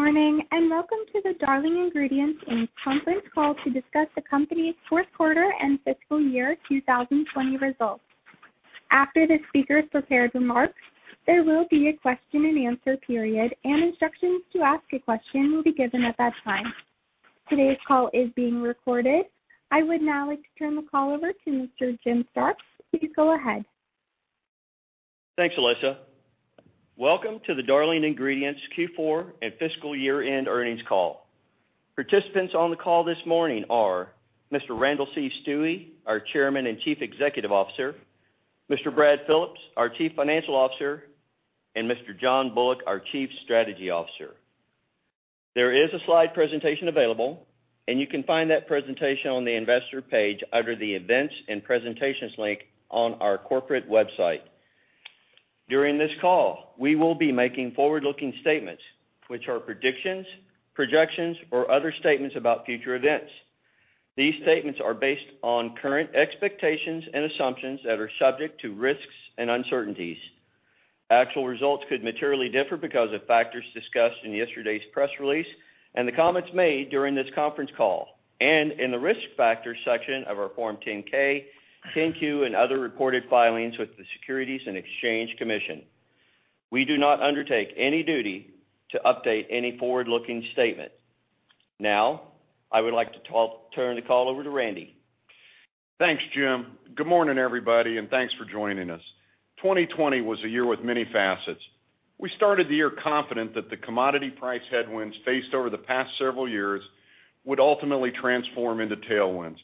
Good morning and welcome to the Darling Ingredients Inc. Conference Call to discuss the company's fourth quarter and fiscal year 2020 results. After the speaker's prepared remarks, there will be a question and answer period, and instructions to ask a question will be given at that time. Today's call is being recorded. I would now like to turn the call over to Mr. Jim Stark. Please go ahead. Thanks, Alyssa. Welcome to the Darling Ingredients Q4 and Fiscal Year-End Earnings Call. Participants on the call this morning are Mr. Randall C. Stuewe, our Chairman and Chief Executive Officer, Mr. Brad Phillips, our Chief Financial Officer, and Mr. John Bullock, our Chief Strategy Officer. There is a slide presentation available, and you can find that presentation on the investor page under the events and presentations link on our corporate website. During this call, we will be making forward-looking statements, which are predictions, projections, or other statements about future events. These statements are based on current expectations and assumptions that are subject to risks and uncertainties. Actual results could materially differ because of factors discussed in yesterday's press release and the comments made during this conference call, and in the risk factors section of our Form 10-K, 10-Q, and other reported filings with the Securities and Exchange Commission. We do not undertake any duty to update any forward-looking statement. Now, I would like to turn the call over to Randy. Thanks, Jim. Good morning, everybody, and thanks for joining us. 2020 was a year with many facets. We started the year confident that the commodity price headwinds faced over the past several years would ultimately transform into tailwinds.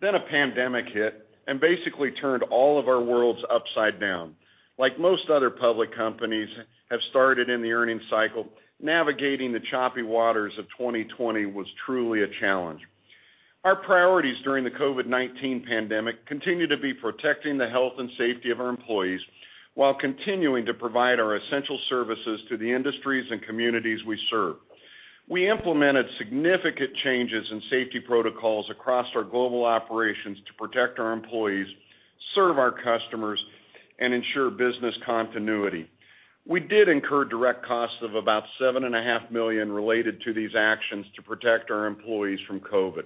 Then a pandemic hit and basically turned all of our worlds upside down. Like most other public companies have started in the earnings cycle, navigating the choppy waters of 2020 was truly a challenge. Our priorities during the COVID-19 pandemic continue to be protecting the health and safety of our employees while continuing to provide our essential services to the industries and communities we serve. We implemented significant changes in safety protocols across our global operations to protect our employees, serve our customers, and ensure business continuity. We did incur direct costs of about $7.5 million related to these actions to protect our employees from COVID.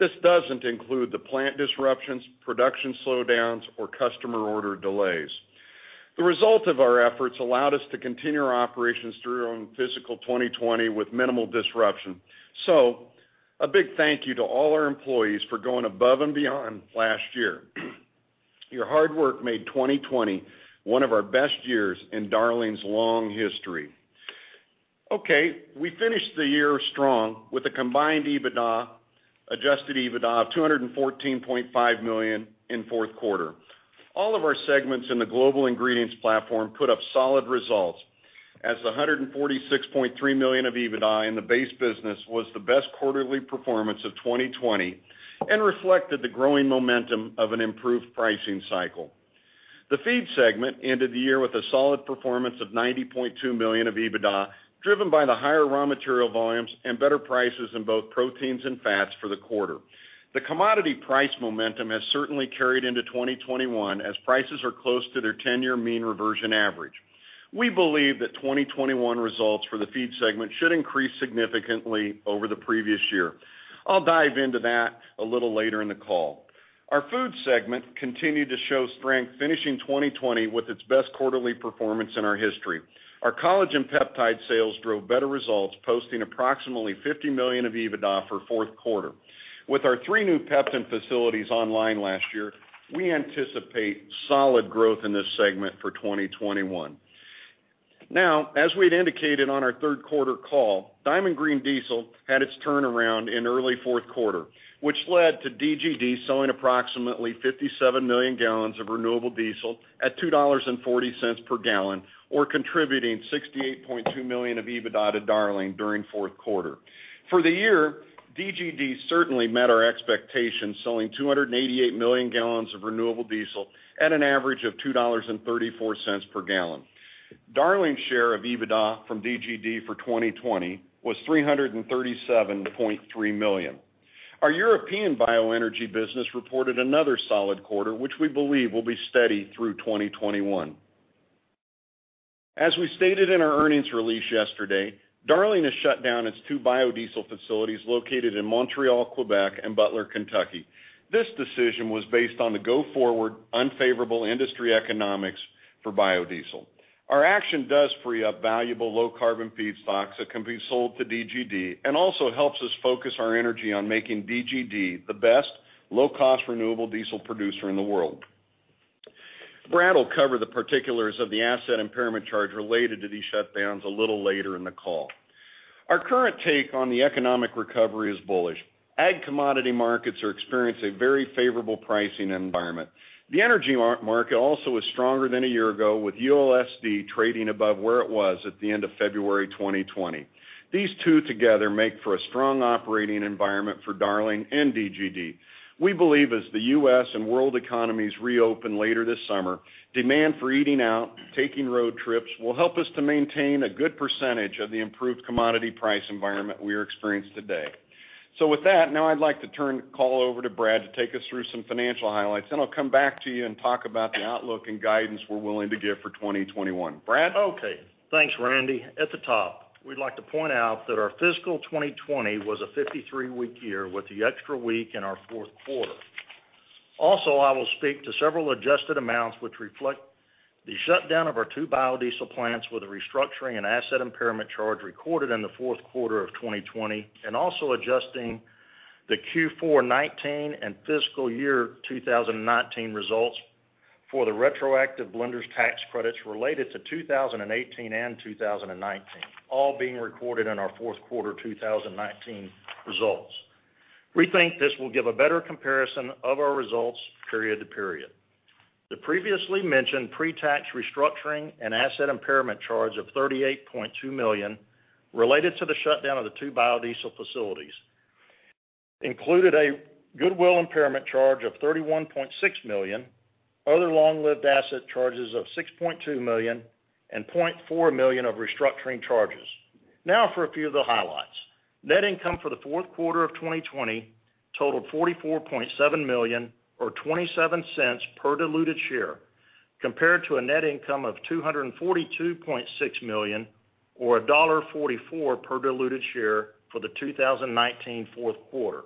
This doesn't include the plant disruptions, production slowdowns, or customer order delays. The result of our efforts allowed us to continue our operations through fiscal 2020 with minimal disruption. So, a big thank you to all our employees for going above and beyond last year. Your hard work made 2020 one of our best years in Darling's long history. Okay, we finished the year strong with a combined EBITDA, adjusted EBITDA of $214.5 million in fourth quarter. All of our segments in the Global Ingredients platform put up solid results as $146.3 million of EBITDA in the base business was the best quarterly performance of 2020 and reflected the growing momentum of an improved pricing cycle. The feed segment ended the year with a solid performance of $90.2 million of EBITDA driven by the higher raw material volumes and better prices in both proteins and fats for the quarter. The commodity price momentum has certainly carried into 2021 as prices are close to their 10-year mean reversion average. We believe that 2021 results for the feed segment should increase significantly over the previous year. I'll dive into that a little later in the call. Our food segment continued to show strength, finishing 2020 with its best quarterly performance in our history. Our collagen peptide sales drove better results, posting approximately $50 million of EBITDA for fourth quarter. With our three new Peptan facilities online last year, we anticipate solid growth in this segment for 2021. Now, as we had indicated on our third quarter call, Diamond Green Diesel had its turnaround in early fourth quarter, which led to DGD selling approximately 57 million gallons of renewable diesel at $2.40 per gallon, or contributing $68.2 million of EBITDA to Darling during fourth quarter. For the year, DGD certainly met our expectations, selling 288 million gallons of renewable diesel at an average of $2.34 per gallon. Darling's share of EBITDA from DGD for 2020 was $337.3 million. Our European bioenergy business reported another solid quarter, which we believe will be steady through 2021. As we stated in our earnings release yesterday, Darling has shut down its two biodiesel facilities located in Montreal, Quebec, and Butler, Kentucky. This decision was based on the go-forward unfavorable industry economics for biodiesel. Our action does free up valuable low-carbon feedstocks that can be sold to DGD and also helps us focus our energy on making DGD the best low-cost renewable diesel producer in the world. Brad will cover the particulars of the asset impairment charge related to these shutdowns a little later in the call. Our current take on the economic recovery is bullish. Ag commodity markets are experiencing a very favorable pricing environment. The energy market also is stronger than a year ago, with ULSD trading above where it was at the end of February 2020. These two together make for a strong operating environment for Darling and DGD. We believe, as the U.S. and world economies reopen later this summer, demand for eating out, taking road trips will help us to maintain a good percentage of the improved commodity price environment we are experiencing today. So with that, now I'd like to turn the call over to Brad to take us through some financial highlights, then I'll come back to you and talk about the outlook and guidance we're willing to give for 2021. Brad? Okay. Thanks, Randy. At the top, we'd like to point out that our fiscal 2020 was a 53-week year with the extra week in our fourth quarter. Also, I will speak to several adjusted amounts which reflect the shutdown of our two biodiesel plants with a restructuring and asset impairment charge recorded in the fourth quarter of 2020, and also adjusting the Q4 2019 and fiscal year 2019 results for the retroactive blenders tax credits related to 2018 and 2019, all being recorded in our fourth quarter 2019 results. We think this will give a better comparison of our results period to period. The previously mentioned pre-tax restructuring and asset impairment charge of $38.2 million related to the shutdown of the two biodiesel facilities included a goodwill impairment charge of $31.6 million, other long-lived asset charges of $6.2 million, and $0.4 million of restructuring charges. Now for a few of the highlights. Net income for the fourth quarter of 2020 totaled $44.7 million, or $0.27 per diluted share, compared to a net income of $242.6 million, or $1.44 per diluted share for the 2019 fourth quarter.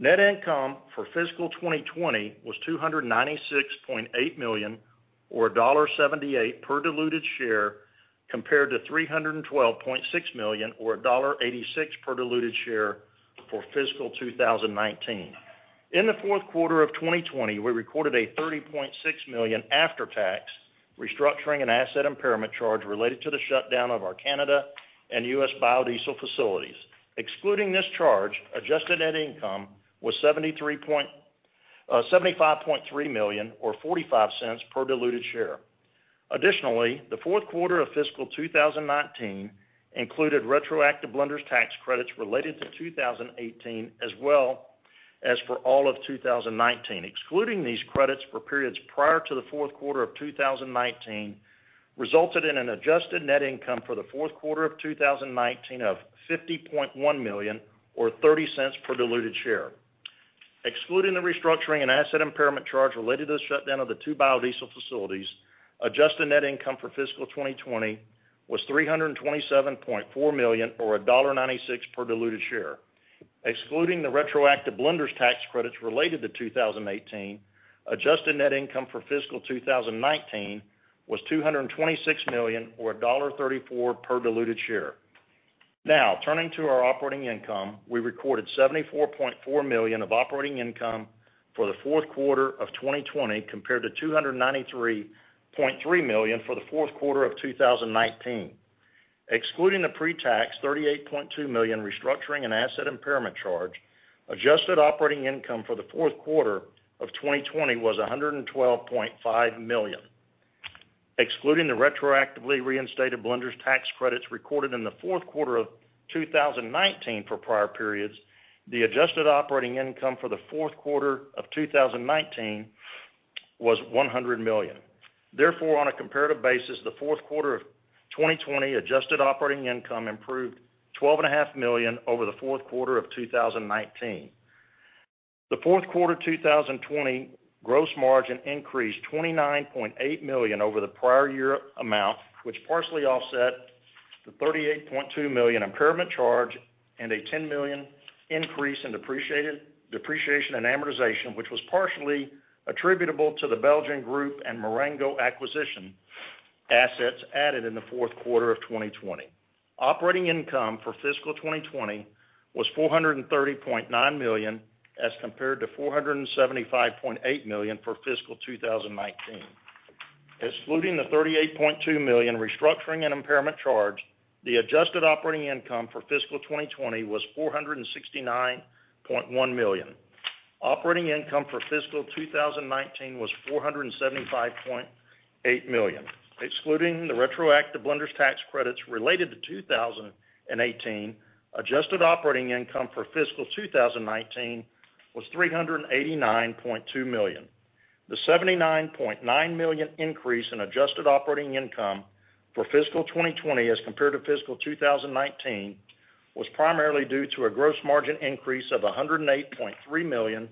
Net income for fiscal 2020 was $296.8 million, or $1.78 per diluted share, compared to $312.6 million, or $1.86 per diluted share for fiscal 2019. In the fourth quarter of 2020, we recorded a $30.6 million after-tax restructuring and asset impairment charge related to the shutdown of our Canada and U.S. biodiesel facilities. Excluding this charge, adjusted net income was $75.3 million, or $0.45 per diluted share. Additionally, the fourth quarter of fiscal 2019 included retroactive blenders tax credits related to 2018 as well as for all of 2019. Excluding these credits for periods prior to the fourth quarter of 2019 resulted in an adjusted net income for the fourth quarter of 2019 of $50.1 million, or $0.30 per diluted share. Excluding the restructuring and asset impairment charge related to the shutdown of the two biodiesel facilities, adjusted net income for fiscal 2020 was $327.4 million, or $1.96 per diluted share. Excluding the retroactive blenders tax credits related to 2018, adjusted net income for fiscal 2019 was $226 million, or $1.34 per diluted share. Now, turning to our operating income, we recorded $74.4 million of operating income for the fourth quarter of 2020 compared to $293.3 million for the fourth quarter of 2019. Excluding the pre-tax $38.2 million restructuring and asset impairment charge, adjusted operating income for the fourth quarter of 2020 was $112.5 million. Excluding the retroactively reinstated blenders tax credits recorded in the fourth quarter of 2019 for prior periods, the adjusted operating income for the fourth quarter of 2019 was $100 million. Therefore, on a comparative basis, the fourth quarter of 2020 adjusted operating income improved $12.5 million over the fourth quarter of 2019. The fourth quarter of 2020 gross margin increased $29.8 million over the prior year amount, which partially offset the $38.2 million impairment charge and a $10 million increase in depreciation and amortization, which was partially attributable to the Belgian Group and Marengo acquisition assets added in the fourth quarter of 2020. Operating income for fiscal 2020 was $430.9 million as compared to $475.8 million for fiscal 2019. Excluding the $38.2 million restructuring and impairment charge, the adjusted operating income for fiscal 2020 was $469.1 million. Operating income for fiscal 2019 was $475.8 million. Excluding the retroactive Blenders tax credits related to 2018, adjusted operating income for fiscal 2019 was $389.2 million. The $79.9 million increase in adjusted operating income for fiscal 2020 as compared to fiscal 2019 was primarily due to a gross margin increase of $108.3 million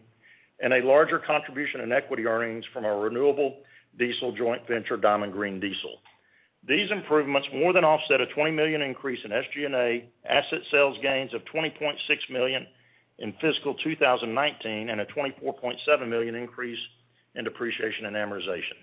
and a larger contribution in equity earnings from our renewable diesel joint venture, Diamond Green Diesel. These improvements more than offset a $20 million increase in SG&A, asset sales gains of $20.6 million in fiscal 2019, and a $24.7 million increase in depreciation and amortization.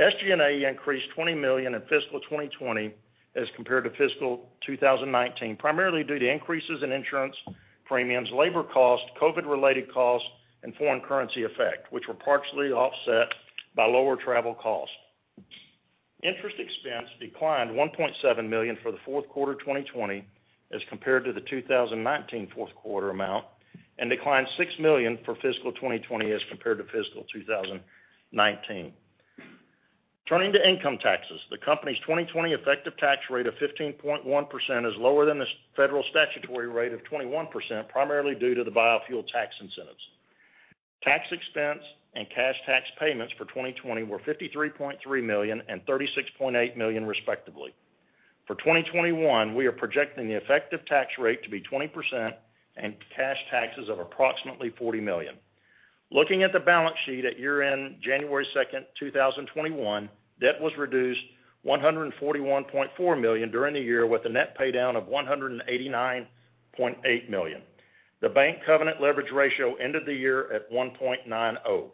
SG&A increased $20 million in fiscal 2020 as compared to fiscal 2019, primarily due to increases in insurance premiums, labor costs, COVID-related costs, and foreign currency effect, which were partially offset by lower travel costs. Interest expense declined $1.7 million for the fourth quarter 2020 as compared to the 2019 fourth quarter amount and declined $6 million for fiscal 2020 as compared to fiscal 2019. Turning to income taxes, the company's 2020 effective tax rate of 15.1% is lower than the federal statutory rate of 21%, primarily due to the biofuel tax incentives. Tax expense and cash tax payments for 2020 were $53.3 million and $36.8 million, respectively. For 2021, we are projecting the effective tax rate to be 20% and cash taxes of approximately $40 million. Looking at the balance sheet at year-end January 2nd, 2021, debt was reduced $141.4 million during the year with a net paydown of $189.8 million. The bank covenant leverage ratio ended the year at 1.90.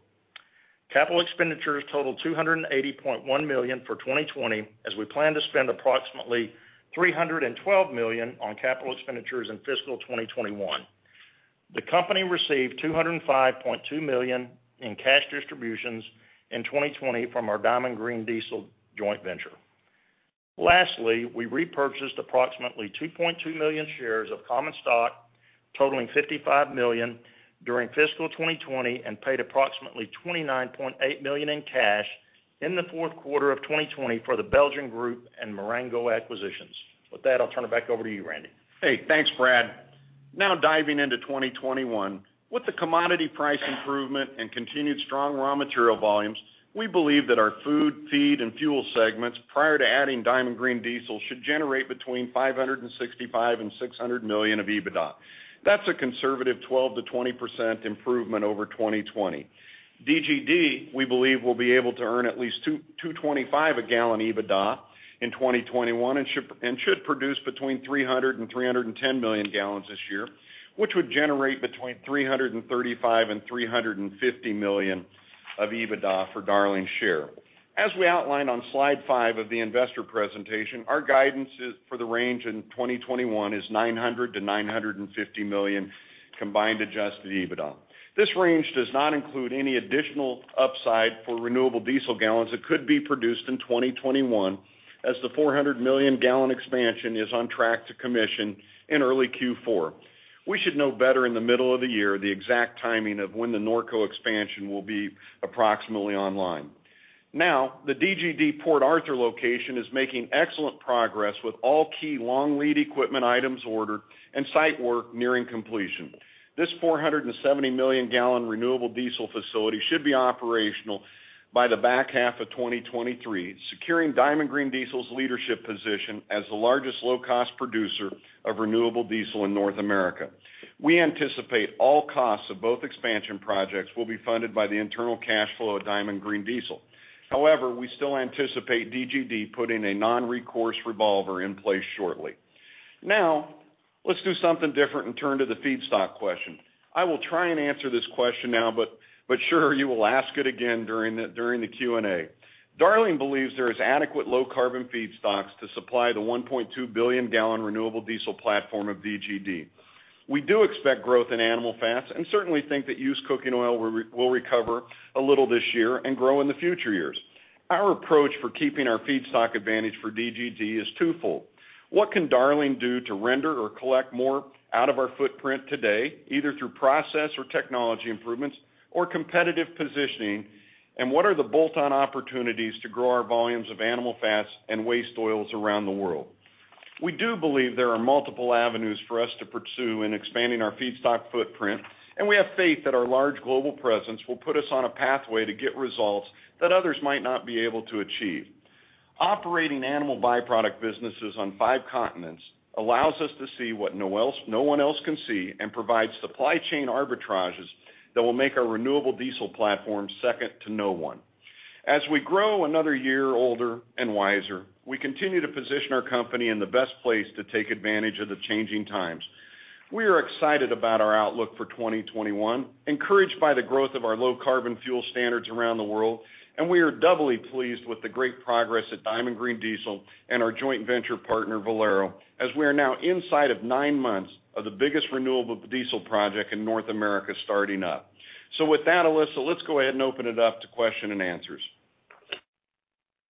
Capital expenditures totaled $280.1 million for 2020 as we plan to spend approximately $312 million on capital expenditures in fiscal 2021. The company received $205.2 million in cash distributions in 2020 from our Diamond Green Diesel joint venture. Lastly, we repurchased approximately 2.2 million shares of common stock totaling $55 million during fiscal 2020 and paid approximately $29.8 million in cash in the fourth quarter of 2020 for the Belgian Group and Marengo acquisitions. With that, I'll turn it back over to you, Randy. Hey, thanks, Brad. Now diving into 2021, with the commodity price improvement and continued strong raw material volumes, we believe that our food, feed, and fuel segments prior to adding Diamond Green Diesel should generate between $565-$600 million of EBITDA. That's a conservative 12%-20% improvement over 2020. DGD, we believe, will be able to earn at least $225 a gallon EBITDA in 2021 and should produce between 300-310 million gallons this year, which would generate between $335-$350 million of EBITDA for Darling's share. As we outlined on slide five of the investor presentation, our guidance for the range in 2021 is $900-$950 million combined adjusted EBITDA. This range does not include any additional upside for renewable diesel gallons that could be produced in 2021 as the 400 million gallon expansion is on track to commission in early Q4. We should know better in the middle of the year the exact timing of when the Norco expansion will be approximately online. Now, the DGD Port Arthur location is making excellent progress with all key long-lead equipment items ordered and site work nearing completion. This 470 million-gallon renewable diesel facility should be operational by the back half of 2023, securing Diamond Green Diesel's leadership position as the largest low-cost producer of renewable diesel in North America. We anticipate all costs of both expansion projects will be funded by the internal cash flow of Diamond Green Diesel. However, we still anticipate DGD putting a non-recourse revolver in place shortly. Now, let's do something different and turn to the feedstock question. I will try and answer this question now, but sure you will ask it again during the Q&A. Darling believes there are adequate low-carbon feedstocks to supply the 1.2 billion-gallon renewable diesel platform of DGD. We do expect growth in animal fats and certainly think that used cooking oil will recover a little this year and grow in the future years. Our approach for keeping our feedstock advantage for DGD is twofold. What can Darling do to render or collect more out of our footprint today, either through process or technology improvements or competitive positioning, and what are the bolt-on opportunities to grow our volumes of animal fats and waste oils around the world? We do believe there are multiple avenues for us to pursue in expanding our feedstock footprint, and we have faith that our large global presence will put us on a pathway to get results that others might not be able to achieve. Operating animal byproduct businesses on five continents allows us to see what no one else can see and provides supply chain arbitrages that will make our renewable diesel platform second to no one. As we grow another year older and wiser, we continue to position our company in the best place to take advantage of the changing times. We are excited about our outlook for 2021, encouraged by the growth of our low-carbon fuel standards around the world, and we are doubly pleased with the great progress at Diamond Green Diesel and our joint venture partner, Valero, as we are now inside of nine months of the biggest renewable diesel project in North America starting up. So with that, Alyssa, let's go ahead and open it up to question and answers.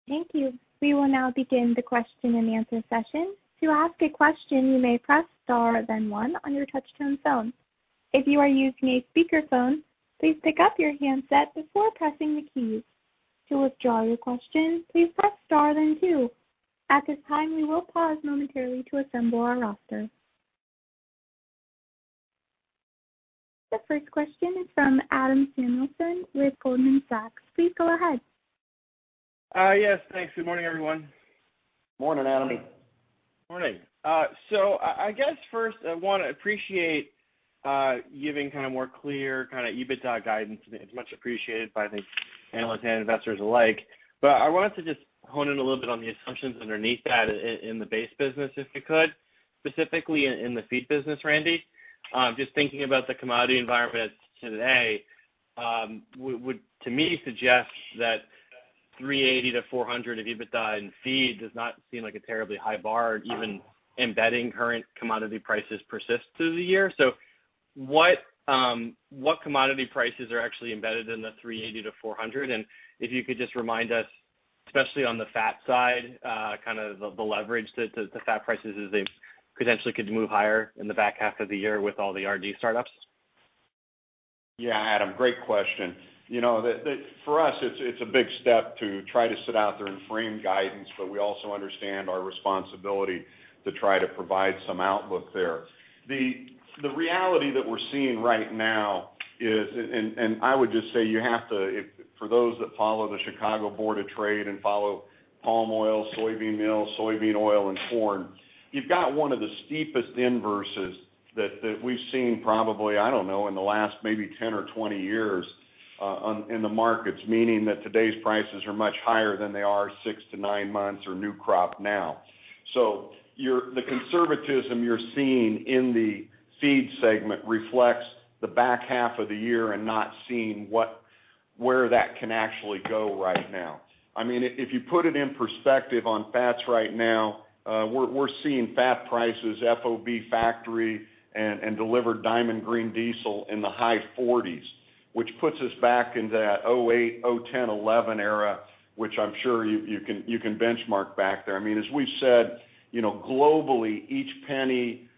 Thank you. We will now begin the question and answer session. To ask a question, you may press star then one on your touch-tone phone. If you are using a speakerphone, please pick up your handset before pressing the keys. To withdraw your question, please press star then two. At this time, we will pause momentarily to assemble our roster. The first question is from Adam Samuelson with Goldman Sachs. Please go ahead. Yes, thanks. Good morning, everyone. Morning, Adam. Morning. So I guess first, I want to appreciate you being kind of more clear, kind of EBITDA guidance. It's much appreciated by the analysts and investors alike. But I wanted to just hone in a little bit on the assumptions underneath that in the base business, if we could, specifically in the feed business, Randy. Just thinking about the commodity environment today, would, to me, suggest that $380-$400 of EBITDA in feed does not seem like a terribly high bar, even embedding current commodity prices persist through the year. So what commodity prices are actually embedded in the $380-$400? And if you could just remind us, especially on the fat side, kind of the leverage that the fat prices potentially could move higher in the back half of the year with all the R&D startups. Yeah, Adam, great question. For us, it's a big step to try to sit out there and frame guidance, but we also understand our responsibility to try to provide some outlook there. The reality that we're seeing right now is, and I would just say you have to, for those that follow the Chicago Board of Trade and follow palm oil, soybean meal, soybean oil, and corn, you've got one of the steepest inverses that we've seen probably, I don't know, in the last maybe 10 or 20 years in the markets, meaning that today's prices are much higher than they are six to nine months or new crop now. So the conservatism you're seeing in the feed segment reflects the back half of the year and not seeing where that can actually go right now. I mean, if you put it in perspective on fats right now, we're seeing fat prices, FOB factory, and delivered Diamond Green Diesel in the high 40s, which puts us back into that 2008, 2008, 2010, 2011 era, which I'm sure you can benchmark back there. I mean, as we've said, globally, each penny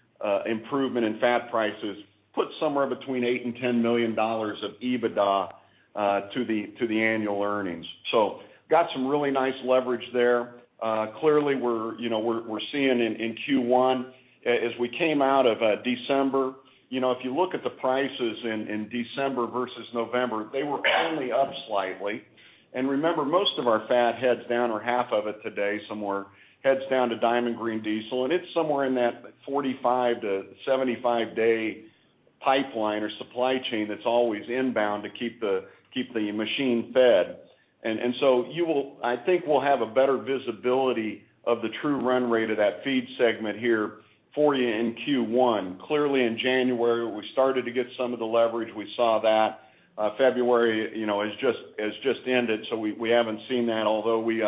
improvement in fat prices puts somewhere between $8-$10 million of EBITDA to the annual earnings. So got some really nice leverage there. Clearly, we're seeing in Q1, as we came out of December, if you look at the prices in December versus November, they were only up slightly. And remember, most of our fat hedges down or half of it today, somewhere hedges down to Diamond Green Diesel, and it's somewhere in that 45-75-day pipeline or supply chain that's always inbound to keep the machine fed. And so I think we'll have a better visibility of the true run rate of that feed segment here for you in Q1. Clearly, in January, we started to get some of the leverage. We saw that. February has just ended, so we haven't seen that, although we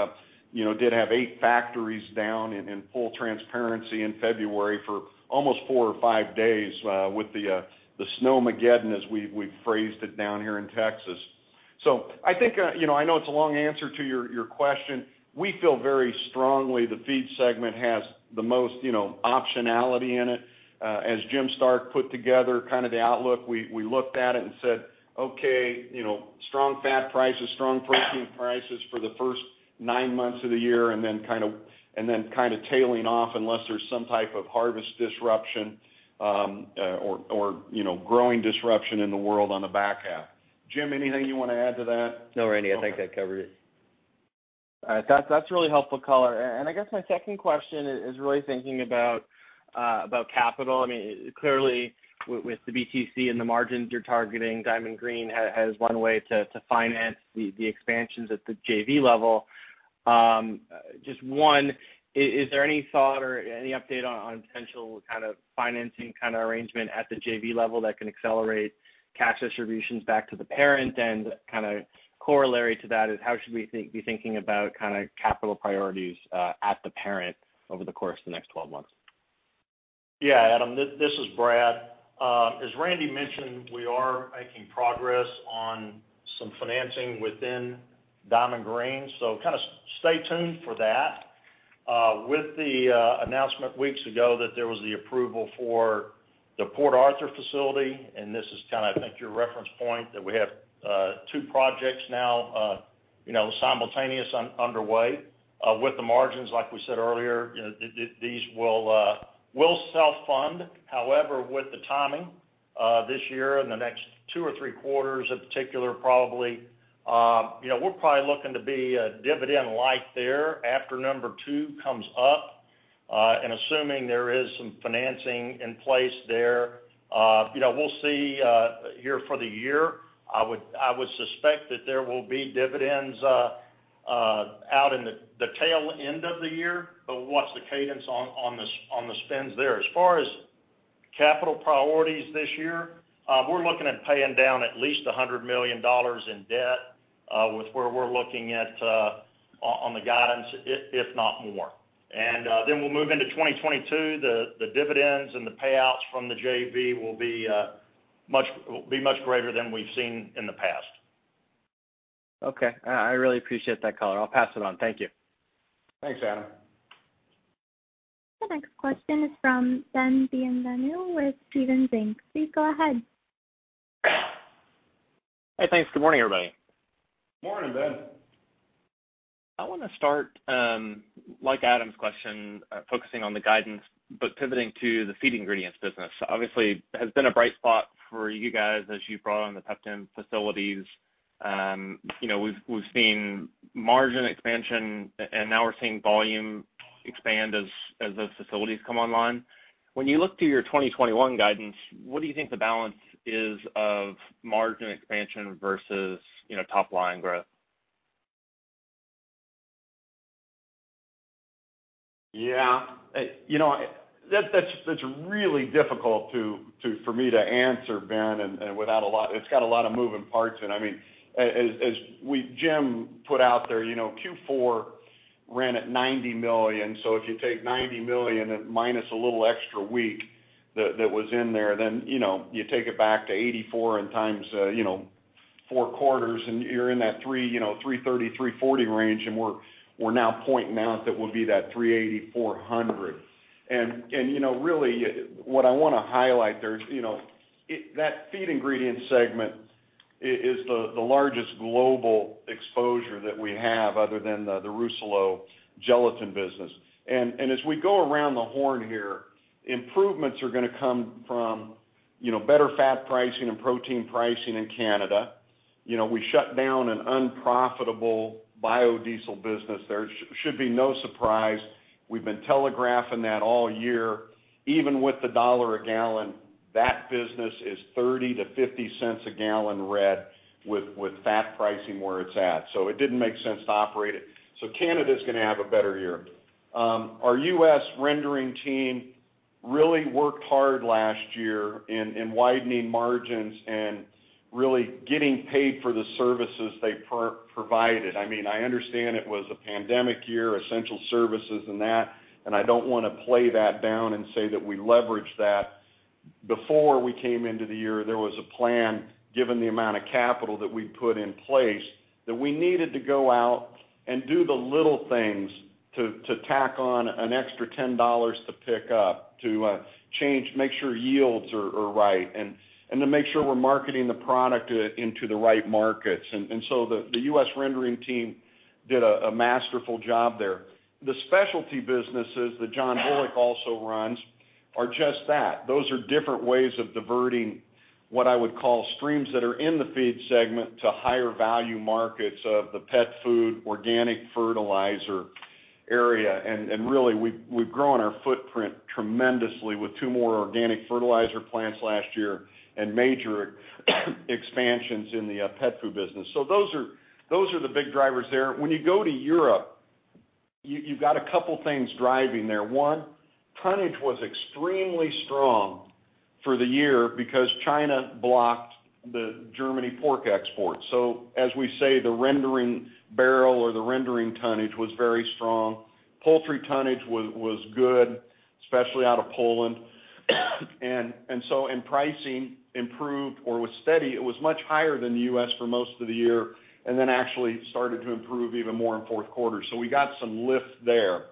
did have eight factories down in full transparency in February for almost four or five days with the Snowmageddon, as we've phrased it down here in Texas. So I think I know it's a long answer to your question. We feel very strongly the feed segment has the most optionality in it. As Jim Stark put together kind of the outlook, we looked at it and said, "Okay, strong fat prices, strong protein prices for the first nine months of the year," and then kind of tailing off unless there's some type of harvest disruption or growing disruption in the world on the back half. Jim, anything you want to add to that? No, Randy. I think that covered it. All right. That's really helpful, Kallo. And I guess my second question is really thinking about capital. I mean, clearly, with the BTC and the margins you're targeting, Diamond Green has one way to finance the expansions at the JV level. Just one, is there any thought or any update on potential kind of financing kind of arrangement at the JV level that can accelerate cash distributions back to the parent? Kind of corollary to that is, how should we be thinking about kind of capital priorities at the parent over the course of the next 12 months? Yeah, Adam, this is Brad. As Randy mentioned, we are making progress on some financing within Diamond Green. So kind of stay tuned for that. With the announcement weeks ago that there was the approval for the Port Arthur facility, and this is kind of, I think, your reference point that we have two projects now simultaneously underway. With the margins, like we said earlier, these will self-fund. However, with the timing this year and the next two or three quarters, in particular, probably we're looking to be a dividend light there after number two comes up. Assuming there is some financing in place there, we'll see here for the year. I would suspect that there will be dividends out in the tail end of the year, but what's the cadence on the spends there? As far as capital priorities this year, we're looking at paying down at least $100 million in debt with where we're looking at on the guidance, if not more, and then we'll move into 2022. The dividends and the payouts from the JV will be much greater than we've seen in the past. Okay. I really appreciate that, Randy. I'll pass it on. Thank you. Thanks, Adam. The next question is from Ben Bienvenue with Stephens Inc. Please go ahead. Hey, thanks. Good morning, everybody. Morning, Ben. I want to start, like Adam's question, focusing on the guidance, but pivoting to the feed ingredients business. Obviously, it has been a bright spot for you guys as you brought on the Pepton facilities. We've seen margin expansion, and now we're seeing volume expand as those facilities come online. When you look to your 2021 guidance, what do you think the balance is of margin expansion versus top-line growth? Yeah. That's really difficult for me to answer, Ben, and without a lot, it's got a lot of moving parts in. I mean, as Jim put out there, Q4 ran at $90 million. So if you take $90 million and minus a little extra week that was in there, then you take it back to $84 and times four quarters, and you're in that $330-$340 range, and we're now pointing out that we'll be that $380-$400. And really, what I want to highlight there, that feed ingredients segment is the largest global exposure that we have other than the Rousselot gelatin business. As we go around the horn here, improvements are going to come from better fat pricing and protein pricing in Canada. We shut down an unprofitable biodiesel business there. It should be no surprise. We've been telegraphing that all year. Even with $1 a gallon, that business is $0.30-$0.50 a gallon in the red with fat pricing where it's at. So it didn't make sense to operate it. So Canada is going to have a better year. Our U.S. rendering team really worked hard last year in widening margins and really getting paid for the services they provided. I mean, I understand it was a pandemic year, essential services and that, and I don't want to play that down and say that we leveraged that. Before we came into the year, there was a plan, given the amount of capital that we put in place, that we needed to go out and do the little things to tack on an extra $10 to pick up, to make sure yields are right, and to make sure we're marketing the product into the right markets. And so the U.S. rendering team did a masterful job there. The specialty businesses that John Bullock also runs are just that. Those are different ways of diverting what I would call streams that are in the feed segment to higher value markets of the pet food, organic fertilizer area. And really, we've grown our footprint tremendously with two more organic fertilizer plants last year and major expansions in the pet food business. So those are the big drivers there. When you go to Europe, you've got a couple of things driving there. One, tonnage was extremely strong for the year because China blocked the German pork exports. So as we say, the rendering barrel or the rendering tonnage was very strong. Poultry tonnage was good, especially out of Poland. And so in pricing, improved or was steady. It was much higher than the U.S. for most of the year and then actually started to improve even more in fourth quarter. So we got some lift there.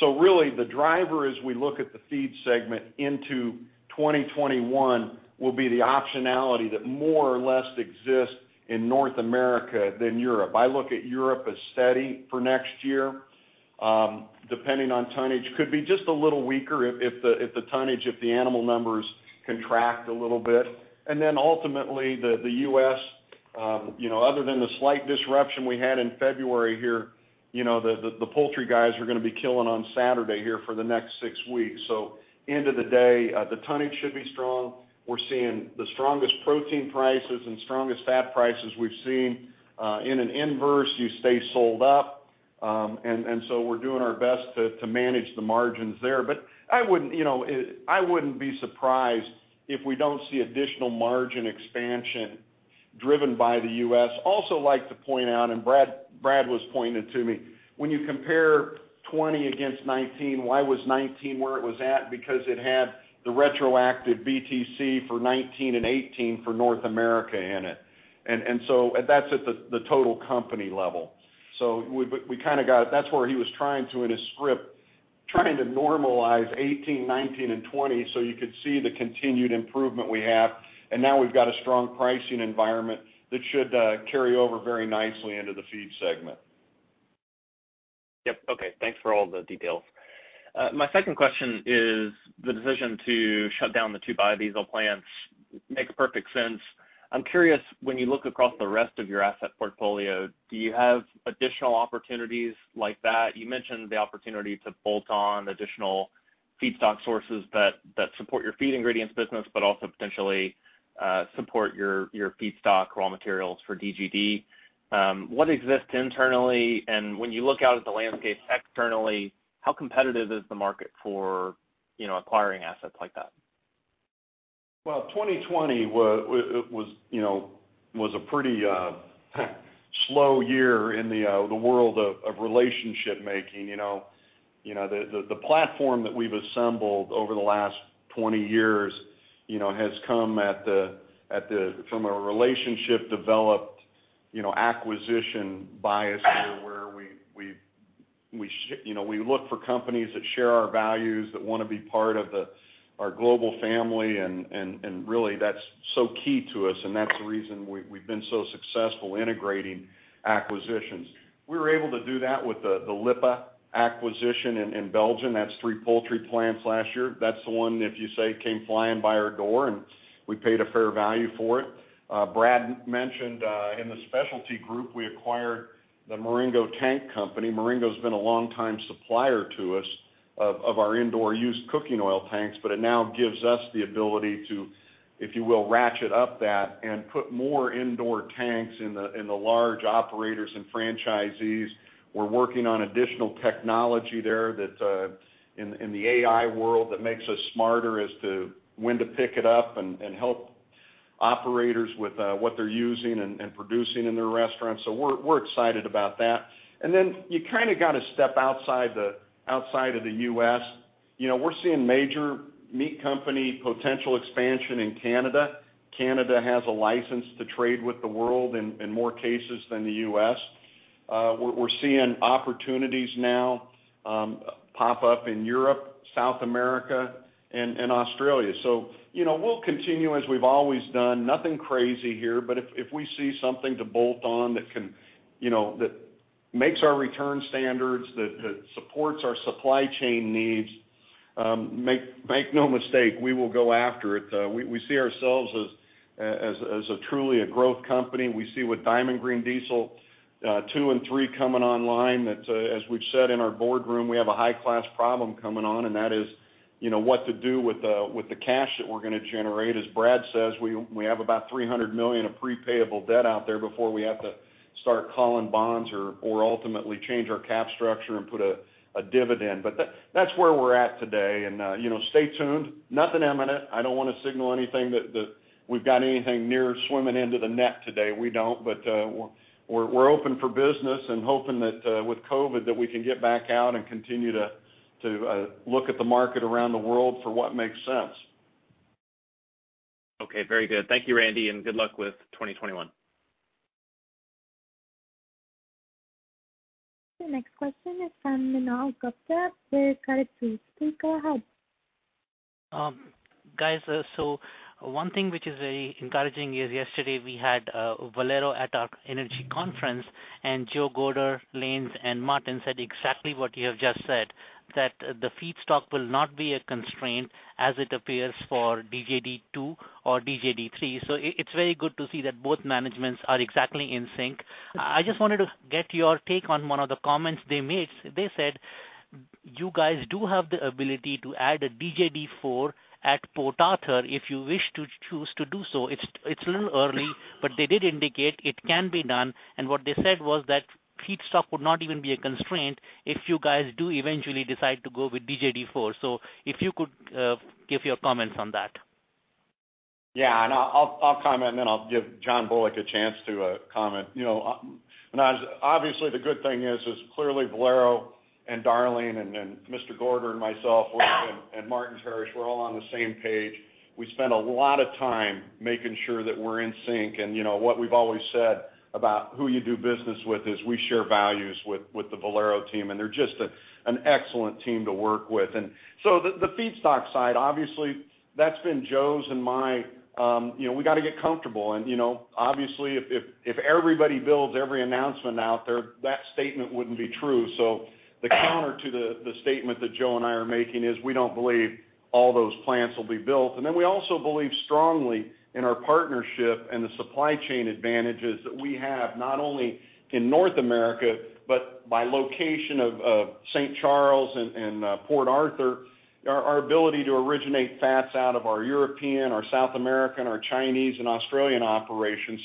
So really, the driver, as we look at the feed segment into 2021, will be the optionality that more or less exists in North America than Europe. I look at Europe as steady for next year. Depending on tonnage, could be just a little weaker if the tonnage, if the animal numbers contract a little bit. And then ultimately, the U.S., other than the slight disruption we had in February here, the poultry guys are going to be killing on Saturday here for the next six weeks. So end of the day, the tonnage should be strong. We're seeing the strongest protein prices and strongest fat prices we've seen. In an inverse, you stay sold up. And so we're doing our best to manage the margins there. But I wouldn't be surprised if we don't see additional margin expansion driven by the U.S. I also like to point out, and Brad was pointing it to me, when you compare 2020 against 2019, why was 2019 where it was at? Because it had the retroactive BTC for 2019 and 2018 for North America in it. And so that's at the total company level. So we kind of got, that's where he was trying to, in his script, trying to normalize 2018, 2019, and 2020 so you could see the continued improvement we have. And now we've got a strong pricing environment that should carry over very nicely into the feed segment. Yep. Okay. Thanks for all the details. My second question is the decision to shut down the two biodiesel plants makes perfect sense. I'm curious, when you look across the rest of your asset portfolio, do you have additional opportunities like that? You mentioned the opportunity to bolt on additional feedstock sources that support your feed ingredients business, but also potentially support your feedstock raw materials for DGD. What exists internally? And when you look out at the landscape externally, how competitive is the market for acquiring assets like that? Well, 2020 was a pretty slow year in the world of relationship making. The platform that we've assembled over the last 20 years has come from a relationship-developed acquisition bias here where we look for companies that share our values, that want to be part of our global family, and really, that's so key to us, and that's the reason we've been so successful integrating acquisitions. We were able to do that with the Lipa acquisition in Belgium. That's three poultry plants last year. That's the one, if you say, came flying by our door, and we paid a fair value for it. Brad mentioned in the specialty group, we acquired the Marengo Tank Company. Marengo has been a long-time supplier to us of our indoor used cooking oil tanks, but it now gives us the ability to, if you will, ratchet up that and put more indoor tanks in the large operators and franchisees. We're working on additional technology there in the AI world that makes us smarter as to when to pick it up and help operators with what they're using and producing in their restaurants. So we're excited about that. And then you kind of got to step outside of the U.S. We're seeing major meat company potential expansion in Canada. Canada has a license to trade with the world in more cases than the U.S. We're seeing opportunities now pop up in Europe, South America, and Australia. So we'll continue as we've always done. Nothing crazy here, but if we see something to bolt on that makes our return standards, that supports our supply chain needs, make no mistake, we will go after it. We see ourselves as truly a growth company. We see with Diamond Green Diesel 2 and 3 coming online that, as we've said in our boardroom, we have a high-class problem coming on, and that is what to do with the cash that we're going to generate. As Brad says, we have about $300 million of prepayable debt out there before we have to start calling bonds or ultimately change our cap structure and put a dividend. But that's where we're at today. And stay tuned. Nothing imminent. I don't want to signal anything that we've got anything near swimming into the net today. We don't, but we're open for business and hoping that with COVID that we can get back out and continue to look at the market around the world for what makes sense. Okay. Very good. Thank you, Randy, and good luck with 2021. The next question is from Manav Gupta. Please go ahead. Guys, so one thing which is very encouraging is yesterday we had Valero at our energy conference, and Joe Gorder, Lane, and Martin said exactly what you have just said, that the feedstock will not be a constraint as it appears for DGD2 or DGD3. So it's very good to see that both managements are exactly in sync. I just wanted to get your take on one of the comments they made. They said, "You guys do have the ability to add a DGD4 at Port Arthur if you wish to choose to do so." It's a little early, but they did indicate it can be done. And what they said was that feedstock would not even be a constraint if you guys do eventually decide to go with DGD4. So if you could give your comments on that. Yeah. And I'll comment, and then I'll give John Bullock a chance to comment. Obviously, the good thing is clearly Valero and Darling and Mr. Gorder, and myself, and Martins, we're all on the same page. We spent a lot of time making sure that we're in sync. And what we've always said about who you do business with is we share values with the Valero team, and they're just an excellent team to work with. And so the feedstock side, obviously, that's been Joe's and my—we got to get comfortable. And obviously, if everybody builds every announcement out there, that statement wouldn't be true. So the counter to the statement that Joe and I are making is we don't believe all those plants will be built. We also believe strongly in our partnership and the supply chain advantages that we have not only in North America, but by location of St. Charles and Port Arthur, our ability to originate fats out of our European, our South American, our Chinese, and Australian operations.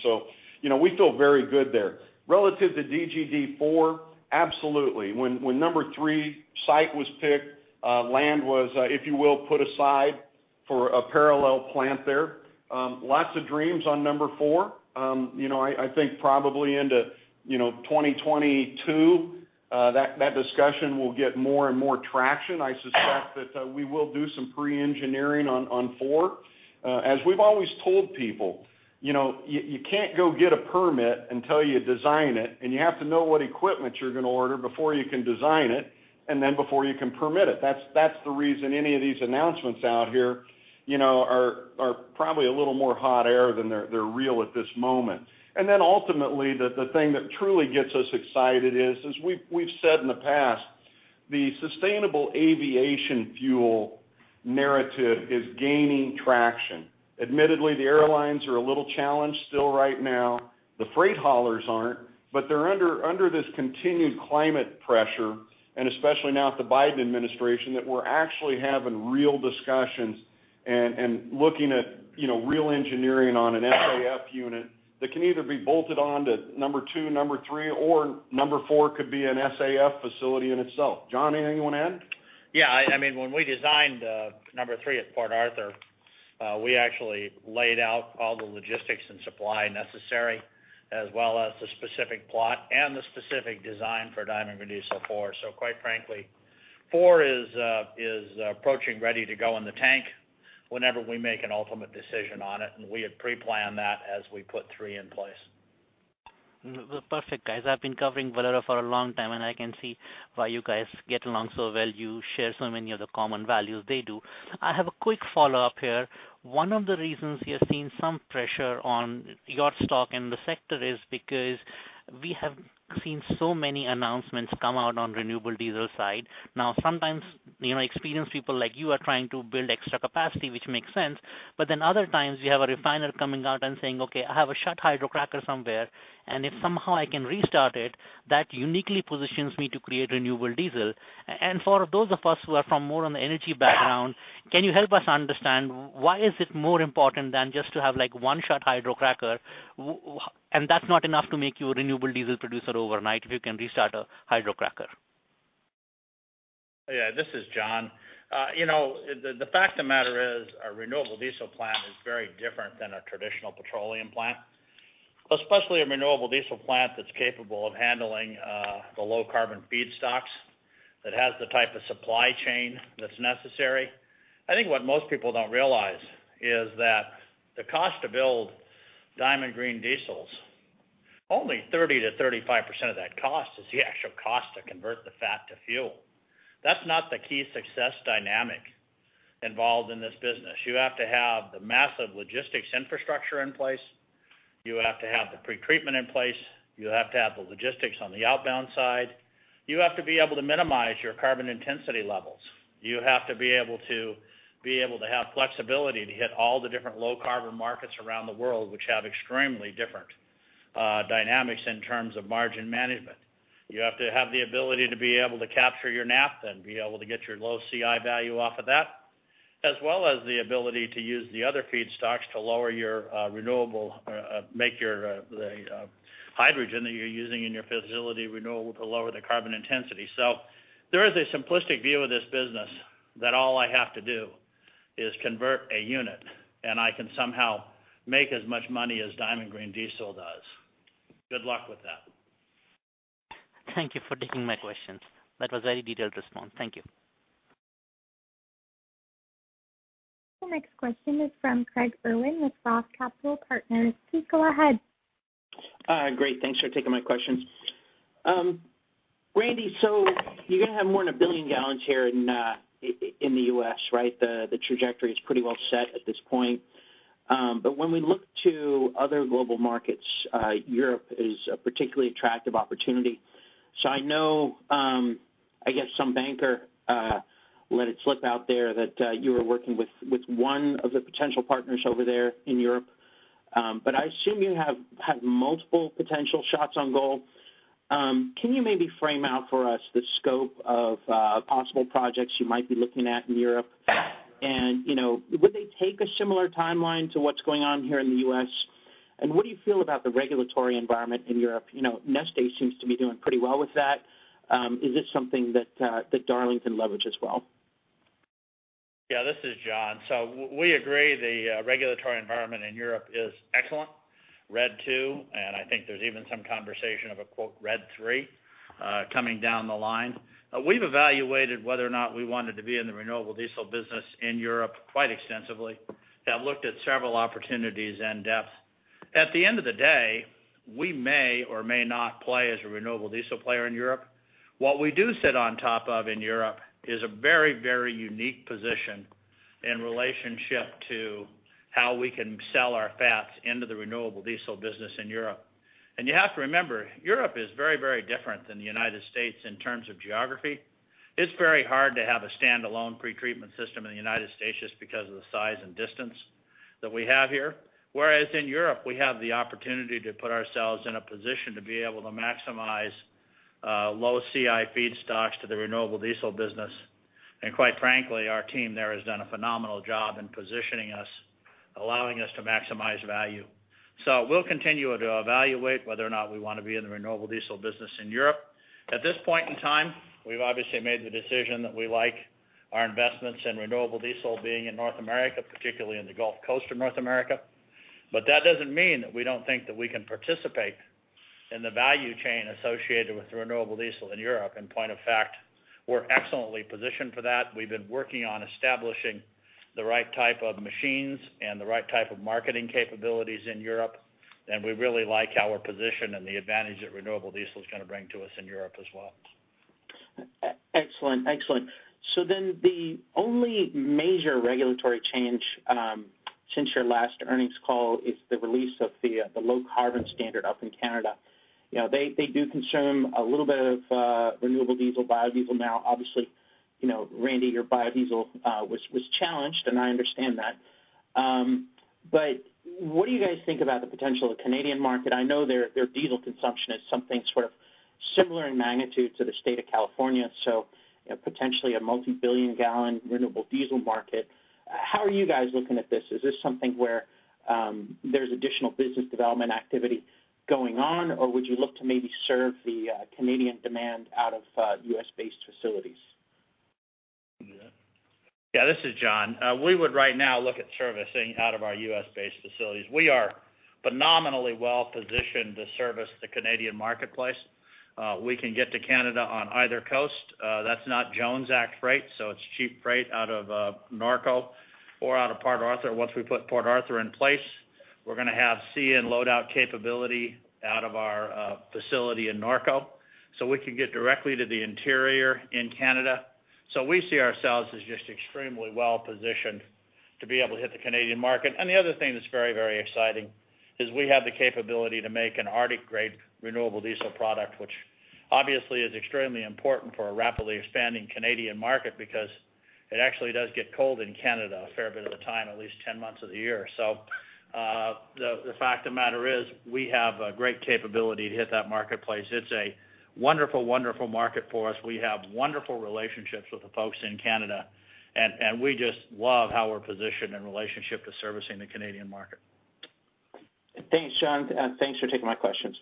We feel very good there. Relative to DGD4, absolutely. When number 3 site was picked, land was, if you will, put aside for a parallel plant there. Lots of dreams on number four. I think probably into 2022, that discussion will get more and more traction. I suspect that we will do some pre-engineering on four. As we've always told people, you can't go get a permit until you design it, and you have to know what equipment you're going to order before you can design it and then before you can permit it. That's the reason any of these announcements out here are probably a little more hot air than they're real at this moment. And then ultimately, the thing that truly gets us excited is, as we've said in the past, the sustainable aviation fuel narrative is gaining traction. Admittedly, the airlines are a little challenged still right now. The freight haulers aren't, but they're under this continued climate pressure, and especially now at the Biden administration, that we're actually having real discussions and looking at real engineering on an SAF unit that can either be bolted on to number two, number three, or number four could be an SAF facility in itself. John, anyone add? Yeah. I mean, when we designed number three at Port Arthur, we actually laid out all the logistics and supply necessary as well as the specific plot and the specific design for Diamond Green Diesel four. So quite frankly, four is approaching ready to go in the tank whenever we make an ultimate decision on it, and we had pre-planned that as we put three in place. Perfect, guys. I've been covering Valero for a long time, and I can see why you guys get along so well. You share so many of the common values they do. I have a quick follow-up here. One of the reasons you're seeing some pressure on your stock in the sector is because we have seen so many announcements come out on renewable diesel side. Now, sometimes experienced people like you are trying to build extra capacity, which makes sense. But then other times, you have a refiner coming out and saying, "Okay, I have a shut hydrocracker somewhere, and if somehow I can restart it, that uniquely positions me to create renewable diesel." For those of us who are from more on the energy background, can you help us understand why is it more important than just to have one shut hydrocracker? And that's not enough to make you a renewable diesel producer overnight if you can restart a hydrocracker. Yeah. This is John. The fact of the matter is our renewable diesel plant is very different than our traditional petroleum plant, especially a renewable diesel plant that's capable of handling the low carbon feedstocks, that has the type of supply chain that's necessary. I think what most people don't realize is that the cost to build Diamond Green Diesel's, only 30%-35% of that cost is the actual cost to convert the fat to fuel. That's not the key success dynamic involved in this business. You have to have the massive logistics infrastructure in place. You have to have the pretreatment in place. You have to have the logistics on the outbound side. You have to be able to minimize your carbon intensity levels. You have to be able to have flexibility to hit all the different low carbon markets around the world, which have extremely different dynamics in terms of margin management. You have to have the ability to be able to capture your naphtha, be able to get your low CI value off of that, as well as the ability to use the other feedstocks to lower your renewable, make the hydrogen that you're using in your facility renewable to lower the carbon intensity. So there is a simplistic view of this business that all I have to do is convert a unit, and I can somehow make as much money as Diamond Green Diesel does. Good luck with that. Thank you for taking my questions. That was a very detailed response. Thank you. The next question is from Craig Irwin with Roth Capital Partners. Please go ahead. Great. Thanks for taking my questions. Randy, so you're going to have more than a billion gallons here in the U.S., right? The trajectory is pretty well set at this point. But when we look to other global markets, Europe is a particularly attractive opportunity. So I know, I guess some banker let it slip out there that you were working with one of the potential partners over there in Europe, but I assume you have had multiple potential shots on goal. Can you maybe frame out for us the scope of possible projects you might be looking at in Europe? And would they take a similar timeline to what's going on here in the U.S.? And what do you feel about the regulatory environment in Europe? Neste seems to be doing pretty well with that. Is this something that Darling can leverage as well? Yeah. This is John. So we agree the regulatory environment in Europe is excellent, RED II, and I think there's even some conversation of a "RED III" coming down the line. We've evaluated whether or not we wanted to be in the renewable diesel business in Europe quite extensively. I've looked at several opportunities in depth. At the end of the day, we may or may not play as a renewable diesel player in Europe. What we do sit on top of in Europe is a very, very unique position in relationship to how we can sell our fats into the renewable diesel business in Europe, and you have to remember, Europe is very, very different than the United States in terms of geography. It's very hard to have a standalone pretreatment system in the United States just because of the size and distance that we have here. Whereas in Europe, we have the opportunity to put ourselves in a position to be able to maximize low CI feedstocks to the renewable diesel business. And quite frankly, our team there has done a phenomenal job in positioning us, allowing us to maximize value. So we'll continue to evaluate whether or not we want to be in the renewable diesel business in Europe. At this point in time, we've obviously made the decision that we like our investments in renewable diesel being in North America, particularly in the Gulf Coast of North America. But that doesn't mean that we don't think that we can participate in the value chain associated with renewable diesel in Europe. And point of fact, we're excellently positioned for that. We've been working on establishing the right type of machines and the right type of marketing capabilities in Europe. And we really like our position and the advantage that renewable diesel is going to bring to us in Europe as well. Excellent. Excellent. So then the only major regulatory change since your last earnings call is the release of the low carbon standard up in Canada. They do consume a little bit of renewable diesel, biodiesel now. Obviously, Randy, your biodiesel was challenged, and I understand that. But what do you guys think about the potential of the Canadian market? I know their diesel consumption is something sort of similar in magnitude to the state of California, so potentially a multi-billion gallon renewable diesel market. How are you guys looking at this? Is this something where there's additional business development activity going on, or would you look to maybe serve the Canadian demand out of U.S.-based facilities? Yeah. This is John. We would right now look at servicing out of our U.S.-based facilities. We are phenomenally well positioned to service the Canadian marketplace. We can get to Canada on either coast. That's not Jones Act freight, so it's cheap freight out of Norco or out of Port Arthur. Once we put Port Arthur in place, we're going to have sea and load-out capability out of our facility in Norco. So we can get directly to the interior in Canada. So we see ourselves as just extremely well positioned to be able to hit the Canadian market. And the other thing that's very, very exciting is we have the capability to make an Arctic Grade renewable diesel product, which obviously is extremely important for a rapidly expanding Canadian market because it actually does get cold in Canada a fair bit of the time, at least 10 months of the year. So the fact of the matter is we have a great capability to hit that marketplace. It's a wonderful, wonderful market for us. We have wonderful relationships with the folks in Canada, and we just love how we're positioned in relationship to servicing the Canadian market. Thanks, John. Thanks for taking my questions.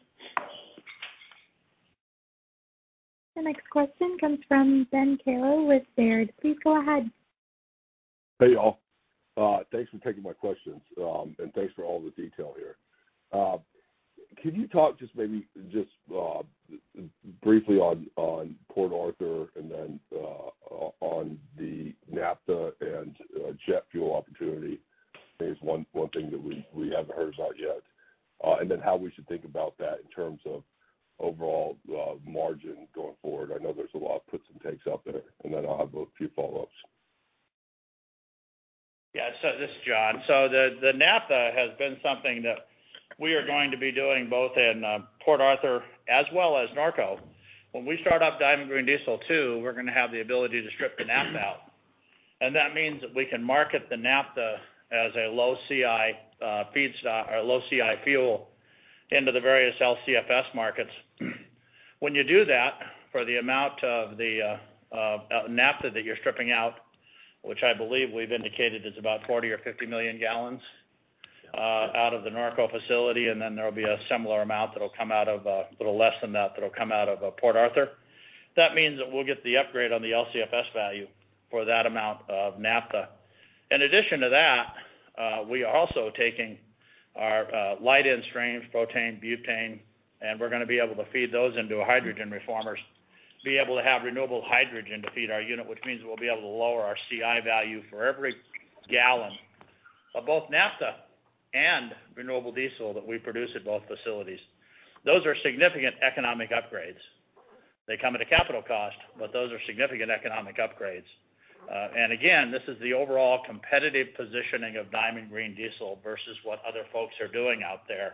The next question comes from Ben Kallo with Baird. Please go ahead. Hey, y'all. Thanks for taking my questions, and thanks for all the detail here. Can you talk just maybe just briefly on Port Arthur and then on the naphtha and jet fuel opportunity? It's one thing that we haven't heard about yet, and then how we should think about that in terms of overall margin going forward. I know there's a lot of puts and takes out there, and then I'll have a few follow-ups. Yeah. This is John. So the naphtha has been something that we are going to be doing both in Port Arthur as well as Norco. When we start up Diamond Green Diesel two, we're going to have the ability to strip the naphtha out, and that means that we can market the naphtha as a low CI feedstock or low CI fuel into the various LCFS markets. When you do that, for the amount of the naphtha that you're stripping out, which I believe we've indicated is about 40 or 50 million gallons out of the Norco facility, and then there will be a similar amount that will come out of a little less than that will come out of Port Arthur. That means that we'll get the upgrade on the LCFS value for that amount of naphtha. In addition to that, we are also taking our light end stream, propane, butane, and we're going to be able to feed those into hydrogen reformers, be able to have renewable hydrogen to feed our unit, which means we'll be able to lower our CI value for every gallon of both naphtha and renewable diesel that we produce at both facilities. Those are significant economic upgrades. They come at a capital cost, but those are significant economic upgrades, and again, this is the overall competitive positioning of Diamond Green Diesel versus what other folks are doing out there.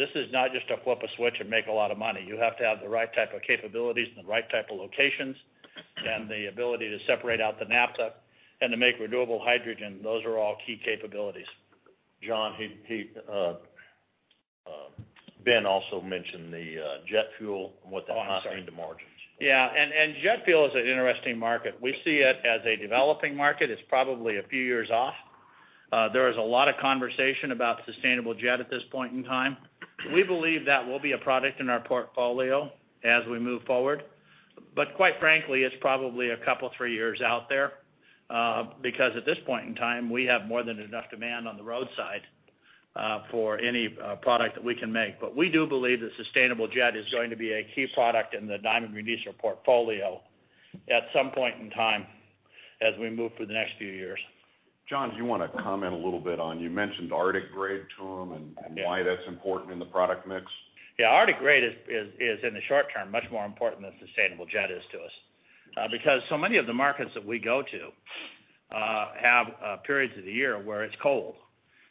This is not just to flip a switch and make a lot of money. You have to have the right type of capabilities and the right type of locations and the ability to separate out the naphtha and to make renewable hydrogen. Those are all key capabilities. John, Ben also mentioned the jet fuel and what that costs into margins. Yeah. And jet fuel is an interesting market. We see it as a developing market. It's probably a few years off. There is a lot of conversation about sustainable jet at this point in time. We believe that will be a product in our portfolio as we move forward. But quite frankly, it's probably a couple, three years out there because at this point in time, we have more than enough demand on the roadside for any product that we can make. But we do believe that sustainable jet is going to be a key product in the Diamond Green Diesel portfolio at some point in time as we move through the next few years. John, do you want to comment a little bit on, you mentioned Arctic-grade to them and why that's important in the product mix? Yeah. Arctic-grade is, in the short term, much more important than sustainable jet is to us because so many of the markets that we go to have periods of the year where it's cold.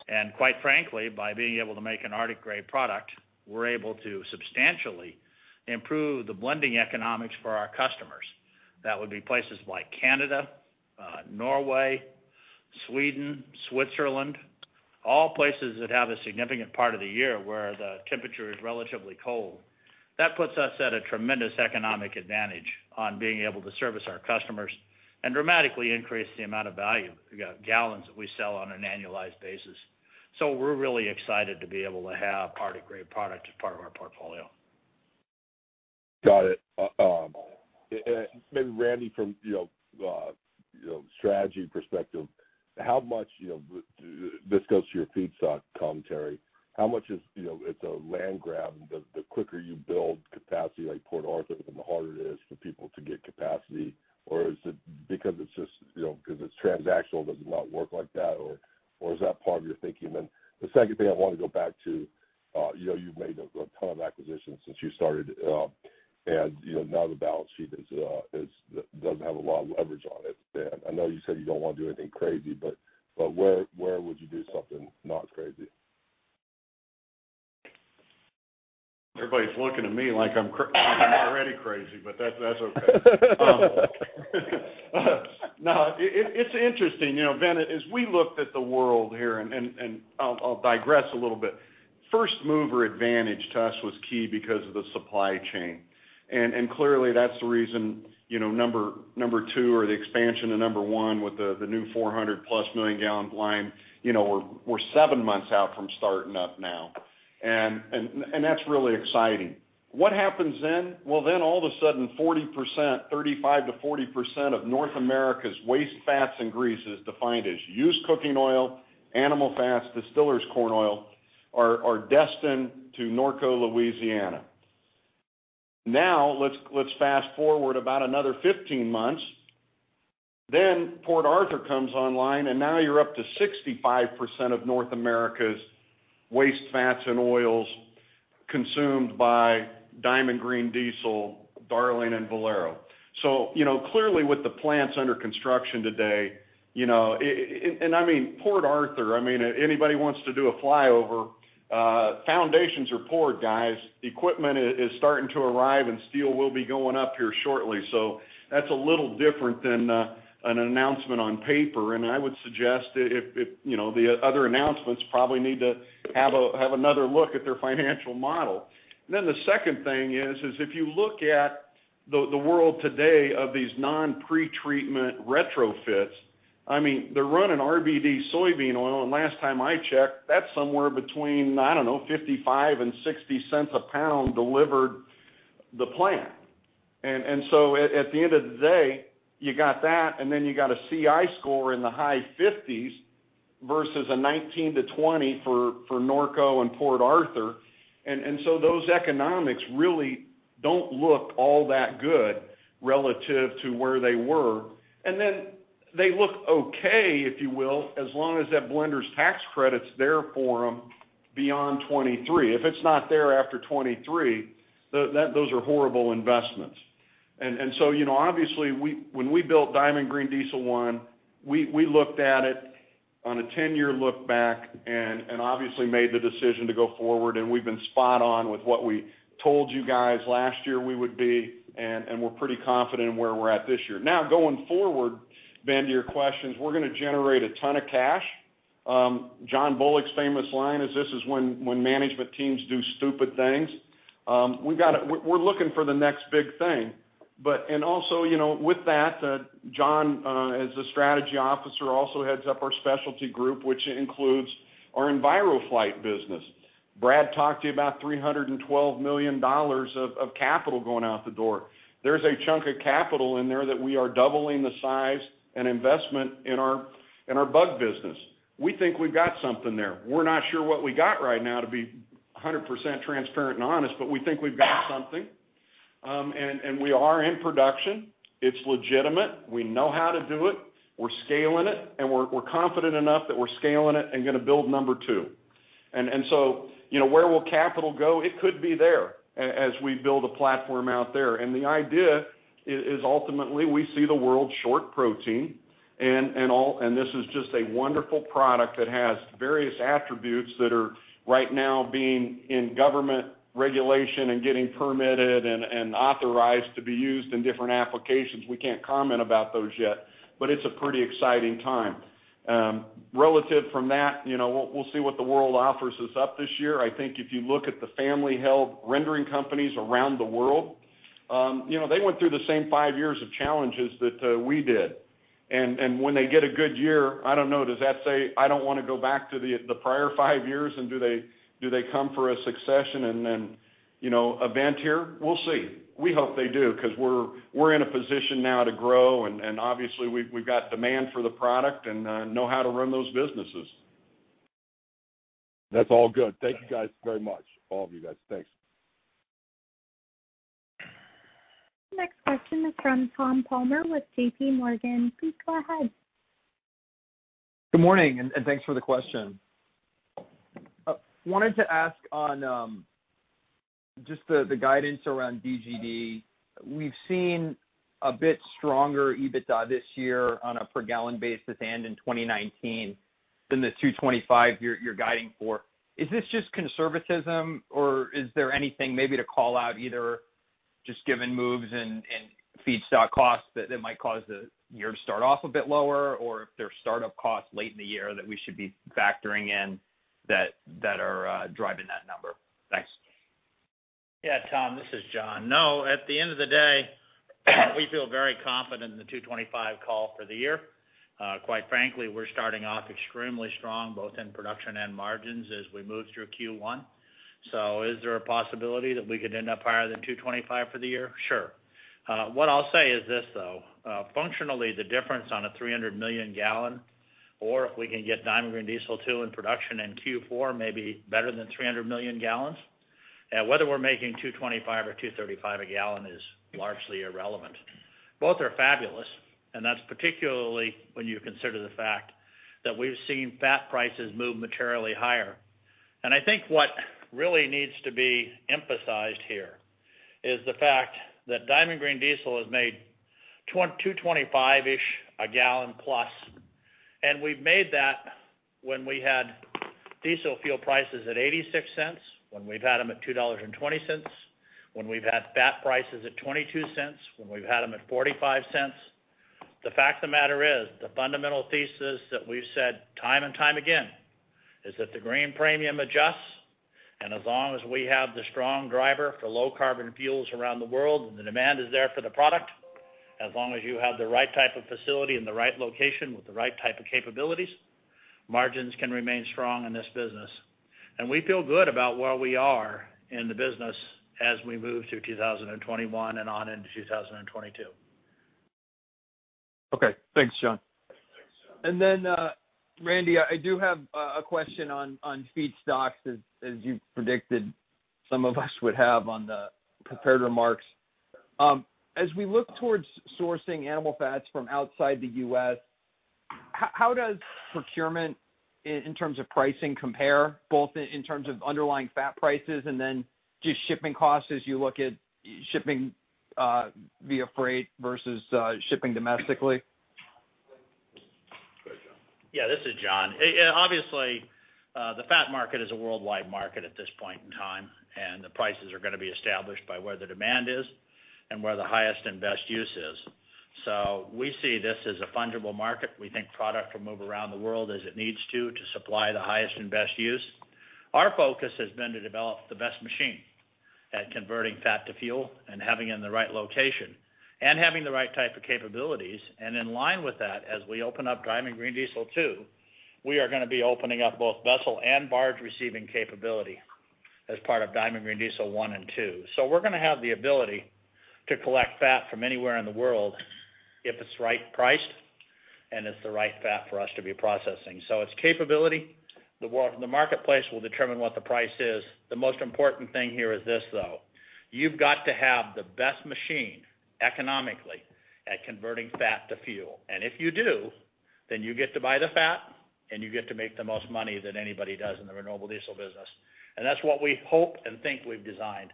And quite frankly, by being able to make an Arctic-grade product, we're able to substantially improve the blending economics for our customers. That would be places like Canada, Norway, Sweden, Switzerland, all places that have a significant part of the year where the temperature is relatively cold. That puts us at a tremendous economic advantage on being able to service our customers and dramatically increase the amount of value gallons that we sell on an annualized basis. So we're really excited to be able to have Arctic-grade product as part of our portfolio. Got it. Maybe Randy, from a strategy perspective, how much this goes to your feedstock commentary? How much is it a land grab? The quicker you build capacity like Port Arthur, the harder it is for people to get capacity, or is it because it's just because it's transactional, does it not work like that, or is that part of your thinking? And the second thing I want to go back to, you've made a ton of acquisitions since you started, and now the balance sheet doesn't have a lot of leverage on it. I know you said you don't want to do anything crazy, but where would you do something not crazy? Everybody's looking at me like I'm already crazy, but that's okay. No, it's interesting. Ben, as we looked at the world here, and I'll digress a little bit, first mover advantage to us was key because of the supply chain. And clearly, that's the reason number two or the expansion of number one with the new 400+ million gallon line. We're seven months out from starting up now, and that's really exciting. What happens then? Well, then all of a sudden, 35%-40% of North America's waste fats and greases defined as used cooking oil, animal fats, distillers corn oil are destined to Norco, Louisiana. Now, let's fast forward about another 15 months. Then Port Arthur comes online, and now you're up to 65% of North America's waste fats and oils consumed by Diamond Green Diesel, Darling, and Valero. So clearly, with the plants under construction today, and I mean Port Arthur, I mean, anybody wants to do a flyover. Foundations are poured, guys. Equipment is starting to arrive, and steel will be going up here shortly. So that's a little different than an announcement on paper, and I would suggest that the other announcements probably need to have another look at their financial model, and then the second thing is, if you look at the world today of these non-pre-treatment retrofits, I mean, they're running RBD soybean oil, and last time I checked, that's somewhere between, I don't know, $0.55 and $0.60 a pound delivered the plant, and so at the end of the day, you got that, and then you got a CI score in the high 50s versus a 19-20 for Norco and Port Arthur, and so those economics really don't look all that good relative to where they were. And then they look okay, if you will, as long as that Blenders Tax Credit is there for them beyond 2023. If it's not there after 2023, those are horrible investments. And so obviously, when we built Diamond Green Diesel 1, we looked at it on a 10-year look back and obviously made the decision to go forward. And we've been spot on with what we told you guys last year we would be, and we're pretty confident in where we're at this year. Now, going forward, Ben, to your questions, we're going to generate a ton of cash. John Bullock's famous line is, "This is when management teams do stupid things." We're looking for the next big thing. And also with that, John, as a strategy officer, also heads up our specialty group, which includes our EnviroFlight business. Brad talked to you about $312 million of capital going out the door. There's a chunk of capital in there that we are doubling the size and investment in our bug business. We think we've got something there. We're not sure what we got right now, to be 100% transparent and honest, but we think we've got something, and we are in production. It's legitimate. We know how to do it. We're scaling it, and we're confident enough that we're scaling it and going to build number two, and so where will capital go? It could be there as we build a platform out there, and the idea is ultimately, we see the world short protein, and this is just a wonderful product that has various attributes that are right now being in government regulation and getting permitted and authorized to be used in different applications. We can't comment about those yet, but it's a pretty exciting time. Relative to that, we'll see what the world offers us up this year. I think if you look at the family-held rendering companies around the world, they went through the same five years of challenges that we did. And when they get a good year, I don't know, does that say, "I don't want to go back to the prior five years," and do they come for a succession and then an event here? We'll see. We hope they do because we're in a position now to grow, and obviously, we've got demand for the product and know how to run those businesses. That's all good. Thank you, guys, very much. All of you guys. Thanks. Next question is from Tom Palmer with J.P. Morgan. Please go ahead. Good morning, and thanks for the question. Wanted to ask on just the guidance around DGD. We've seen a bit stronger EBITDA this year on a per-gallon basis and in 2019 than the 225 you're guiding for. Is this just conservatism, or is there anything maybe to call out, either just given moves in feedstock costs that might cause the year to start off a bit lower, or if there are startup costs late in the year that we should be factoring in that are driving that number? Thanks. Yeah. Tom, this is John. No, at the end of the day, we feel very confident in the 225 call for the year. Quite frankly, we're starting off extremely strong, both in production and margins, as we move through Q1. So is there a possibility that we could end up higher than 225 for the year? Sure. What I'll say is this, though. Functionally, the difference on a 300 million gallon, or if we can get Diamond Green Diesel two in production in Q4, maybe better than 300 million gallons. Whether we're making $225 or $235 a gallon is largely irrelevant. Both are fabulous, and that's particularly when you consider the fact that we've seen fat prices move materially higher. And I think what really needs to be emphasized here is the fact that Diamond Green Diesel has made $225-ish a gallon plus, and we've made that when we had diesel fuel prices at $0.86, when we've had them at $2.20, when we've had fat prices at $0.22, when we've had them at $0.45. The fact of the matter is, the fundamental thesis that we've said time and time again is that the green premium adjusts, and as long as we have the strong driver for low-carbon fuels around the world and the demand is there for the product, as long as you have the right type of facility in the right location with the right type of capabilities, margins can remain strong in this business. And we feel good about where we are in the business as we move through 2021 and on into 2022. Okay. Thanks, John. And then, Randy, I do have a question on feedstocks, as you predicted some of us would have on the prepared remarks. As we look towards sourcing animal fats from outside the U.S., how does procurement in terms of pricing compare, both in terms of underlying fat prices and then just shipping costs as you look at shipping via freight versus shipping domestically? Yeah. This is John. Obviously, the fat market is a worldwide market at this point in time, and the prices are going to be established by where the demand is and where the highest and best use is. So we see this as a fungible market. We think product will move around the world as it needs to to supply the highest and best use. Our focus has been to develop the best machine at converting fat to fuel and having it in the right location and having the right type of capabilities. In line with that, as we open up Diamond Green Diesel two, we are going to be opening up both vessel and barge receiving capability as part of Diamond Green Diesel one and two. So we're going to have the ability to collect fat from anywhere in the world if it's right priced and it's the right fat for us to be processing. So it's capability. The marketplace will determine what the price is. The most important thing here is this, though. You've got to have the best machine economically at converting fat to fuel. And if you do, then you get to buy the fat, and you get to make the most money that anybody does in the renewable diesel business. And that's what we hope and think we've designed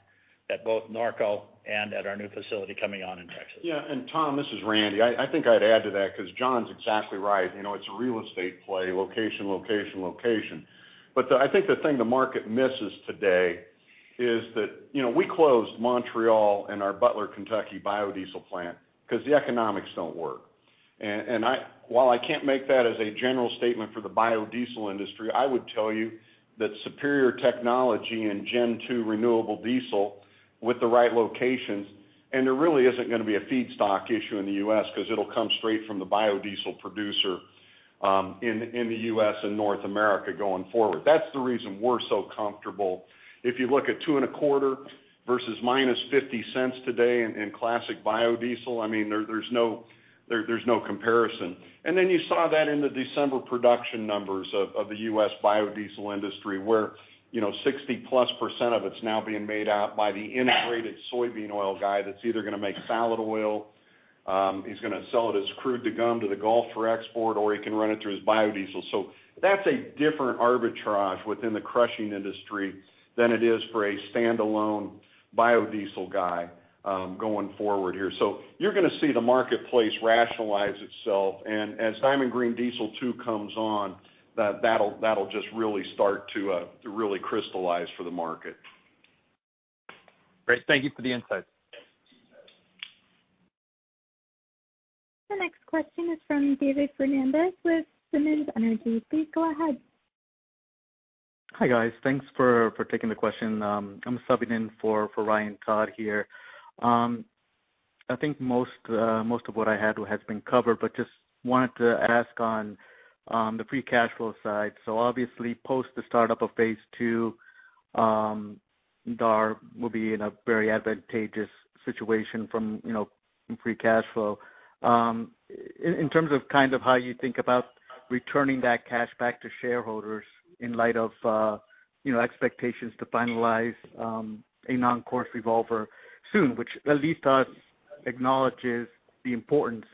at both Norco and at our new facility coming on in Texas. Yeah. And Tom, this is Randy. I think I'd add to that because John's exactly right. It's a real estate play, location, location, location. But I think the thing the market misses today is that we closed Montreal and our Butler, Kentucky biodiesel plant because the economics don't work. And while I can't make that as a general statement for the biodiesel industry, I would tell you that superior technology and Gen 2 renewable diesel with the right locations, and there really isn't going to be a feedstock issue in the U.S. because it'll come straight from the biodiesel producer in the U.S. and North America going forward. That's the reason we're so comfortable. If you look at $2.25 versus -$0.50 today in classic biodiesel, I mean, there's no comparison. And then you saw that in the December production numbers of the U.S. biodiesel industry, where 60+% of it's now being made by the integrated soybean oil guy that's either going to make salad oil, he's going to sell it as crude to go to the Gulf for export, or he can run it through his biodiesel. So that's a different arbitrage within the crushing industry than it is for a standalone biodiesel guy going forward here. So you're going to see the marketplace rationalize itself. And as Diamond Green Diesel two comes on, that'll just really start to really crystallize for the market. Great. Thank you for the insights. The next question is from David Fernandez with Simmons Energy. Please go ahead. Hi, guys. Thanks for taking the question. I'm subbing in for Ryan Todd here. I think most of what I had has been covered, but just wanted to ask on the free cash flow side. So obviously, post the startup of phase two, DAR will be in a very advantageous situation from free cash flow. In terms of kind of how you think about returning that cash back to shareholders in light of expectations to finalize a non-recourse revolver soon, which at least acknowledges the importance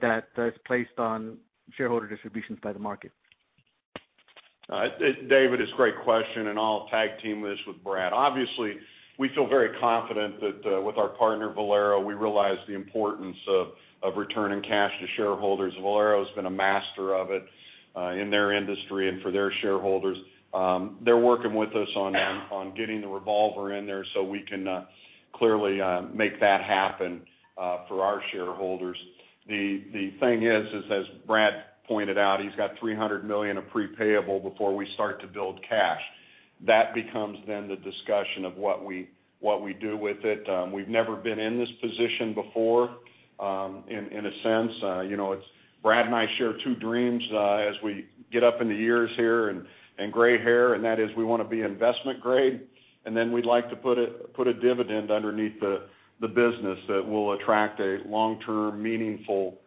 that is placed on shareholder distributions by the market? David, it's a great question, and I'll tag team this with Brad. Obviously, we feel very confident that with our partner, Valero, we realize the importance of returning cash to shareholders. Valero has been a master of it in their industry and for their shareholders. They're working with us on getting the revolver in there so we can clearly make that happen for our shareholders. The thing is, as Brad pointed out, he's got $300 million of prepayable before we start to build cash. That becomes then the discussion of what we do with it. We've never been in this position before, in a sense. Brad and I share two dreams as we get up in the years here and gray hair, and that is we want to be investment grade, and then we'd like to put a dividend underneath the business that will attract a long-term, meaningful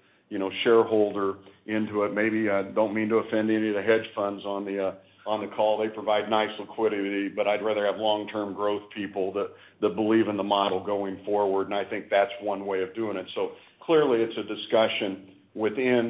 shareholder into it. Maybe I don't mean to offend any of the hedge funds on the call. They provide nice liquidity, but I'd rather have long-term growth people that believe in the model going forward, and I think that's one way of doing it. So clearly, it's a discussion within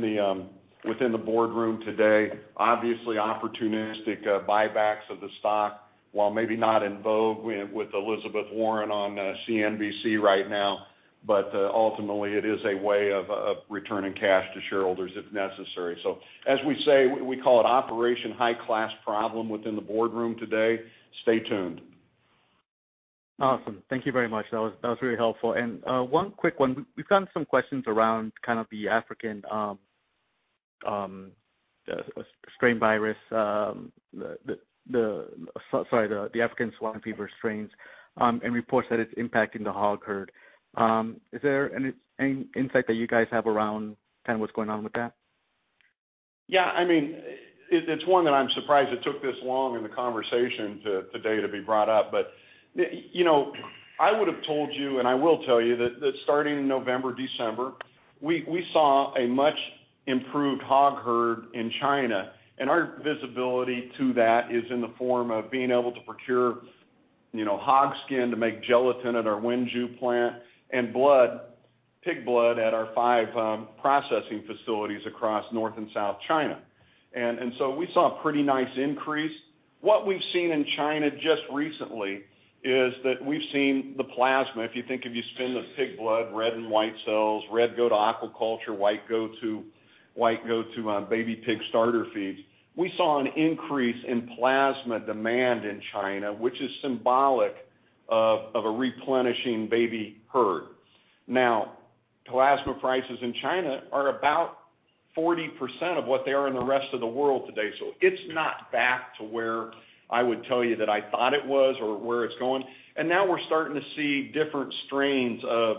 the boardroom today. Obviously, opportunistic buybacks of the stock, while maybe not in vogue with Elizabeth Warren on CNBC right now, but ultimately, it is a way of returning cash to shareholders if necessary. So as we say, we call it operation high-class problem within the boardroom today. Stay tuned. Awesome. Thank you very much. That was really helpful. And one quick one. We've gotten some questions around kind of the African Swine Fever strains, and reports that it's impacting the hog herd. Is there any insight that you guys have around kind of what's going on with that? Yeah. I mean, it's one that I'm surprised it took this long in the conversation today to be brought up, but I would have told you, and I will tell you, that starting November, December, we saw a much improved hog herd in China, and our visibility to that is in the form of being able to procure hog skin to make gelatin at our Wenzhou plant and pig blood at our five processing facilities across north and south China, and so we saw a pretty nice increase. What we've seen in China just recently is that we've seen the plasma. If you think of you spin the pig blood, red and white cells, red go to aquaculture, white go to baby pig starter feeds. We saw an increase in plasma demand in China, which is symbolic of a replenishing baby herd. Now, plasma prices in China are about 40% of what they are in the rest of the world today. So it's not back to where I would tell you that I thought it was or where it's going. And now we're starting to see different strains of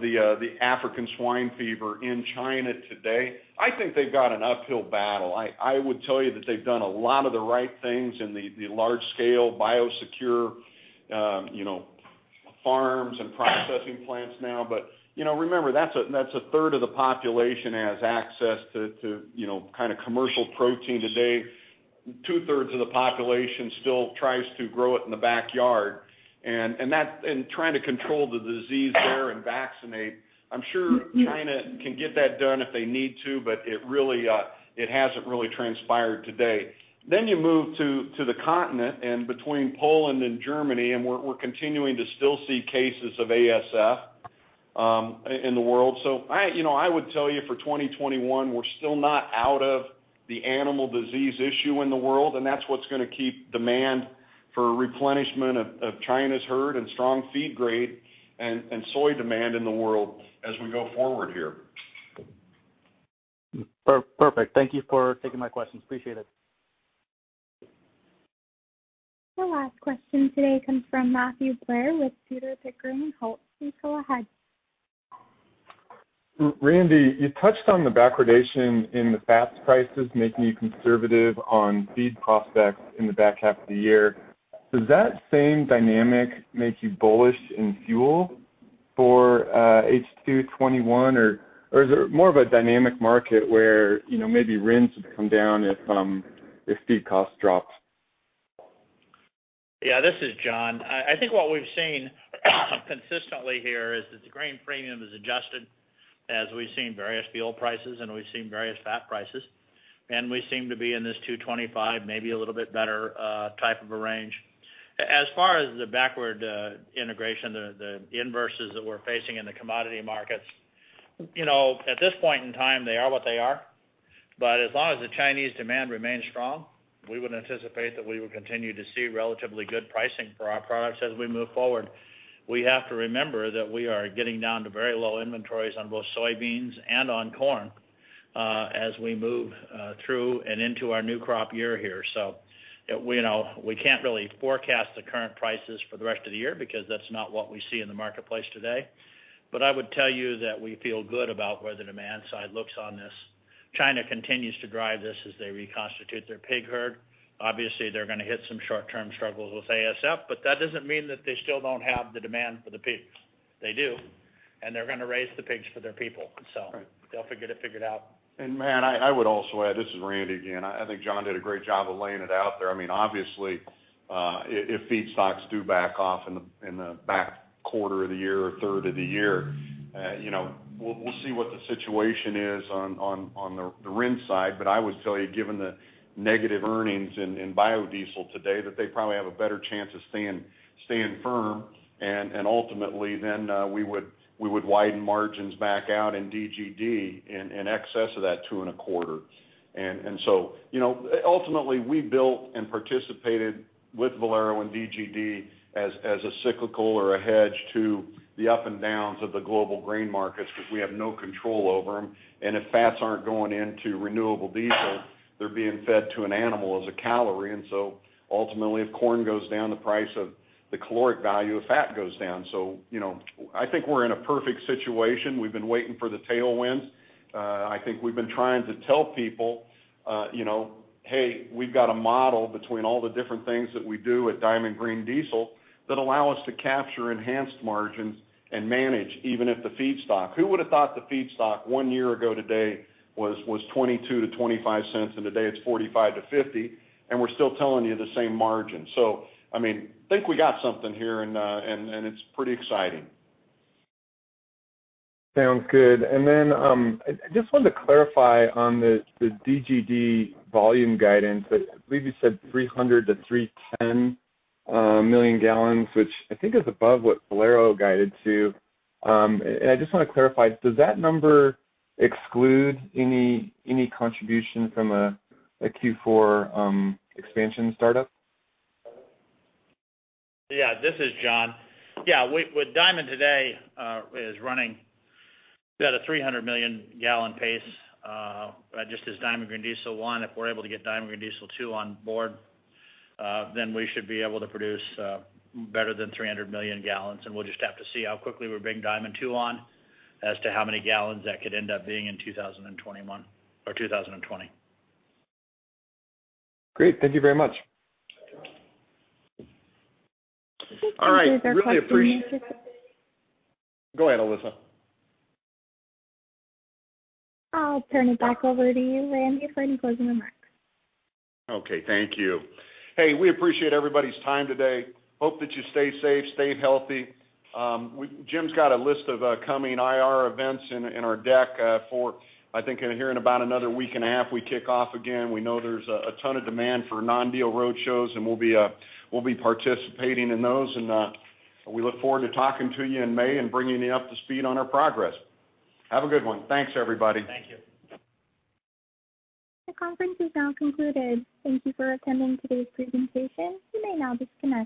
the African Swine Fever in China today. I think they've got an uphill battle. I would tell you that they've done a lot of the right things in the large-scale biosecure farms and processing plants now, but remember, that's a third of the population has access to kind of commercial protein today. Two-thirds of the population still tries to grow it in the backyard. And trying to control the disease there and vaccinate, I'm sure China can get that done if they need to, but it hasn't really transpired today. Then you move to the continent and between Poland and Germany, and we're continuing to still see cases of ASF in the world. So I would tell you for 2021, we're still not out of the animal disease issue in the world, and that's what's going to keep demand for replenishment of China's herd and strong feed grade and soy demand in the world as we go forward here. Perfect. Thank you for taking my questions. Appreciate it. The last question today comes from Matthew Blair with Tudor, Pickering, Holt & Co. Go ahead. Randy, you touched on the backwardation in the fat prices making you conservative on feed prospects in the back half of the year. Does that same dynamic make you bullish in fuel for H2 '21, or is it more of a dynamic market where maybe rents would come down if feed costs dropped? Yeah. This is John. I think what we've seen consistently here is that the grain premium is adjusted as we've seen various fuel prices, and we've seen various fat prices, and we seem to be in this 225, maybe a little bit better type of a range. As far as the backward integration, the inversions that we're facing in the commodity markets, at this point in time, they are what they are. But as long as the Chinese demand remains strong, we would anticipate that we would continue to see relatively good pricing for our products as we move forward. We have to remember that we are getting down to very low inventories on both soybeans and on corn as we move through and into our new crop year here. So we can't really forecast the current prices for the rest of the year because that's not what we see in the marketplace today. But I would tell you that we feel good about where the demand side looks on this. China continues to drive this as they reconstitute their pig herd. Obviously, they're going to hit some short-term struggles with ASF, but that doesn't mean that they still don't have the demand for the pigs. They do, and they're going to raise the pigs for their people. So they'll figure it out. And man, I would also add, this is Randy again. I think John did a great job of laying it out there. I mean, obviously, if feedstocks do back off in the back half of the year or third quarter of the year, we'll see what the situation is on the rendering side. But I would tell you, given the negative earnings in biodiesel today, that they probably have a better chance of staying firm. And ultimately, then we would widen margins back out in DGD in excess of that two and a quarter. And so ultimately, we built and participated with Valero and DGD as a cyclical or a hedge to the ups and downs of the global grain markets because we have no control over them. And if fats aren't going into renewable diesel, they're being fed to an animal as a calorie. And so ultimately, if corn goes down, the price of the caloric value of fat goes down. So I think we're in a perfect situation. We've been waiting for the tailwinds. I think we've been trying to tell people, "Hey, we've got a model between all the different things that we do at Diamond Green Diesel that allow us to capture enhanced margins and manage even at the feedstock." Who would have thought the feedstock one year ago today was $0.22-$0.25, and today it's $0.45-$0.50, and we're still telling you the same margin? So I mean, I think we got something here, and it's pretty exciting. Sounds good. And then I just wanted to clarify on the DGD volume guidance. I believe you said 300-310 million gallons, which I think is above what Valero guided to. And I just want to clarify, does that number exclude any contribution from a Q4 expansion startup? Yeah. This is John. Yeah. With Diamond today, it's running at a 300 million gallon pace just as Diamond Green Diesel one. If we're able to get Diamond Green Diesel two on board, then we should be able to produce better than 300 million gallons. And we'll just have to see how quickly we bring Diamond two on as to how many gallons that could end up being in 2021 or 2020. Great. Thank you very much. All right. Really appreciate it. Go ahead, Alyssa. I'll turn it back over to you, Randy, for any closing remarks. Okay. Thank you. Hey, we appreciate everybody's time today. Hope that you stay safe, stay healthy. Jim's got a list of coming IR events in our deck for, I think, here in about another week and a half, we kick off again. We know there's a ton of demand for non-deal road shows, and we'll be participating in those. And we look forward to talking to you in May and bringing you up to speed on our progress. Have a good one. Thanks, everybody. Thank you. The conference is now concluded. Thank you for attending today's presentation. You may now disconnect.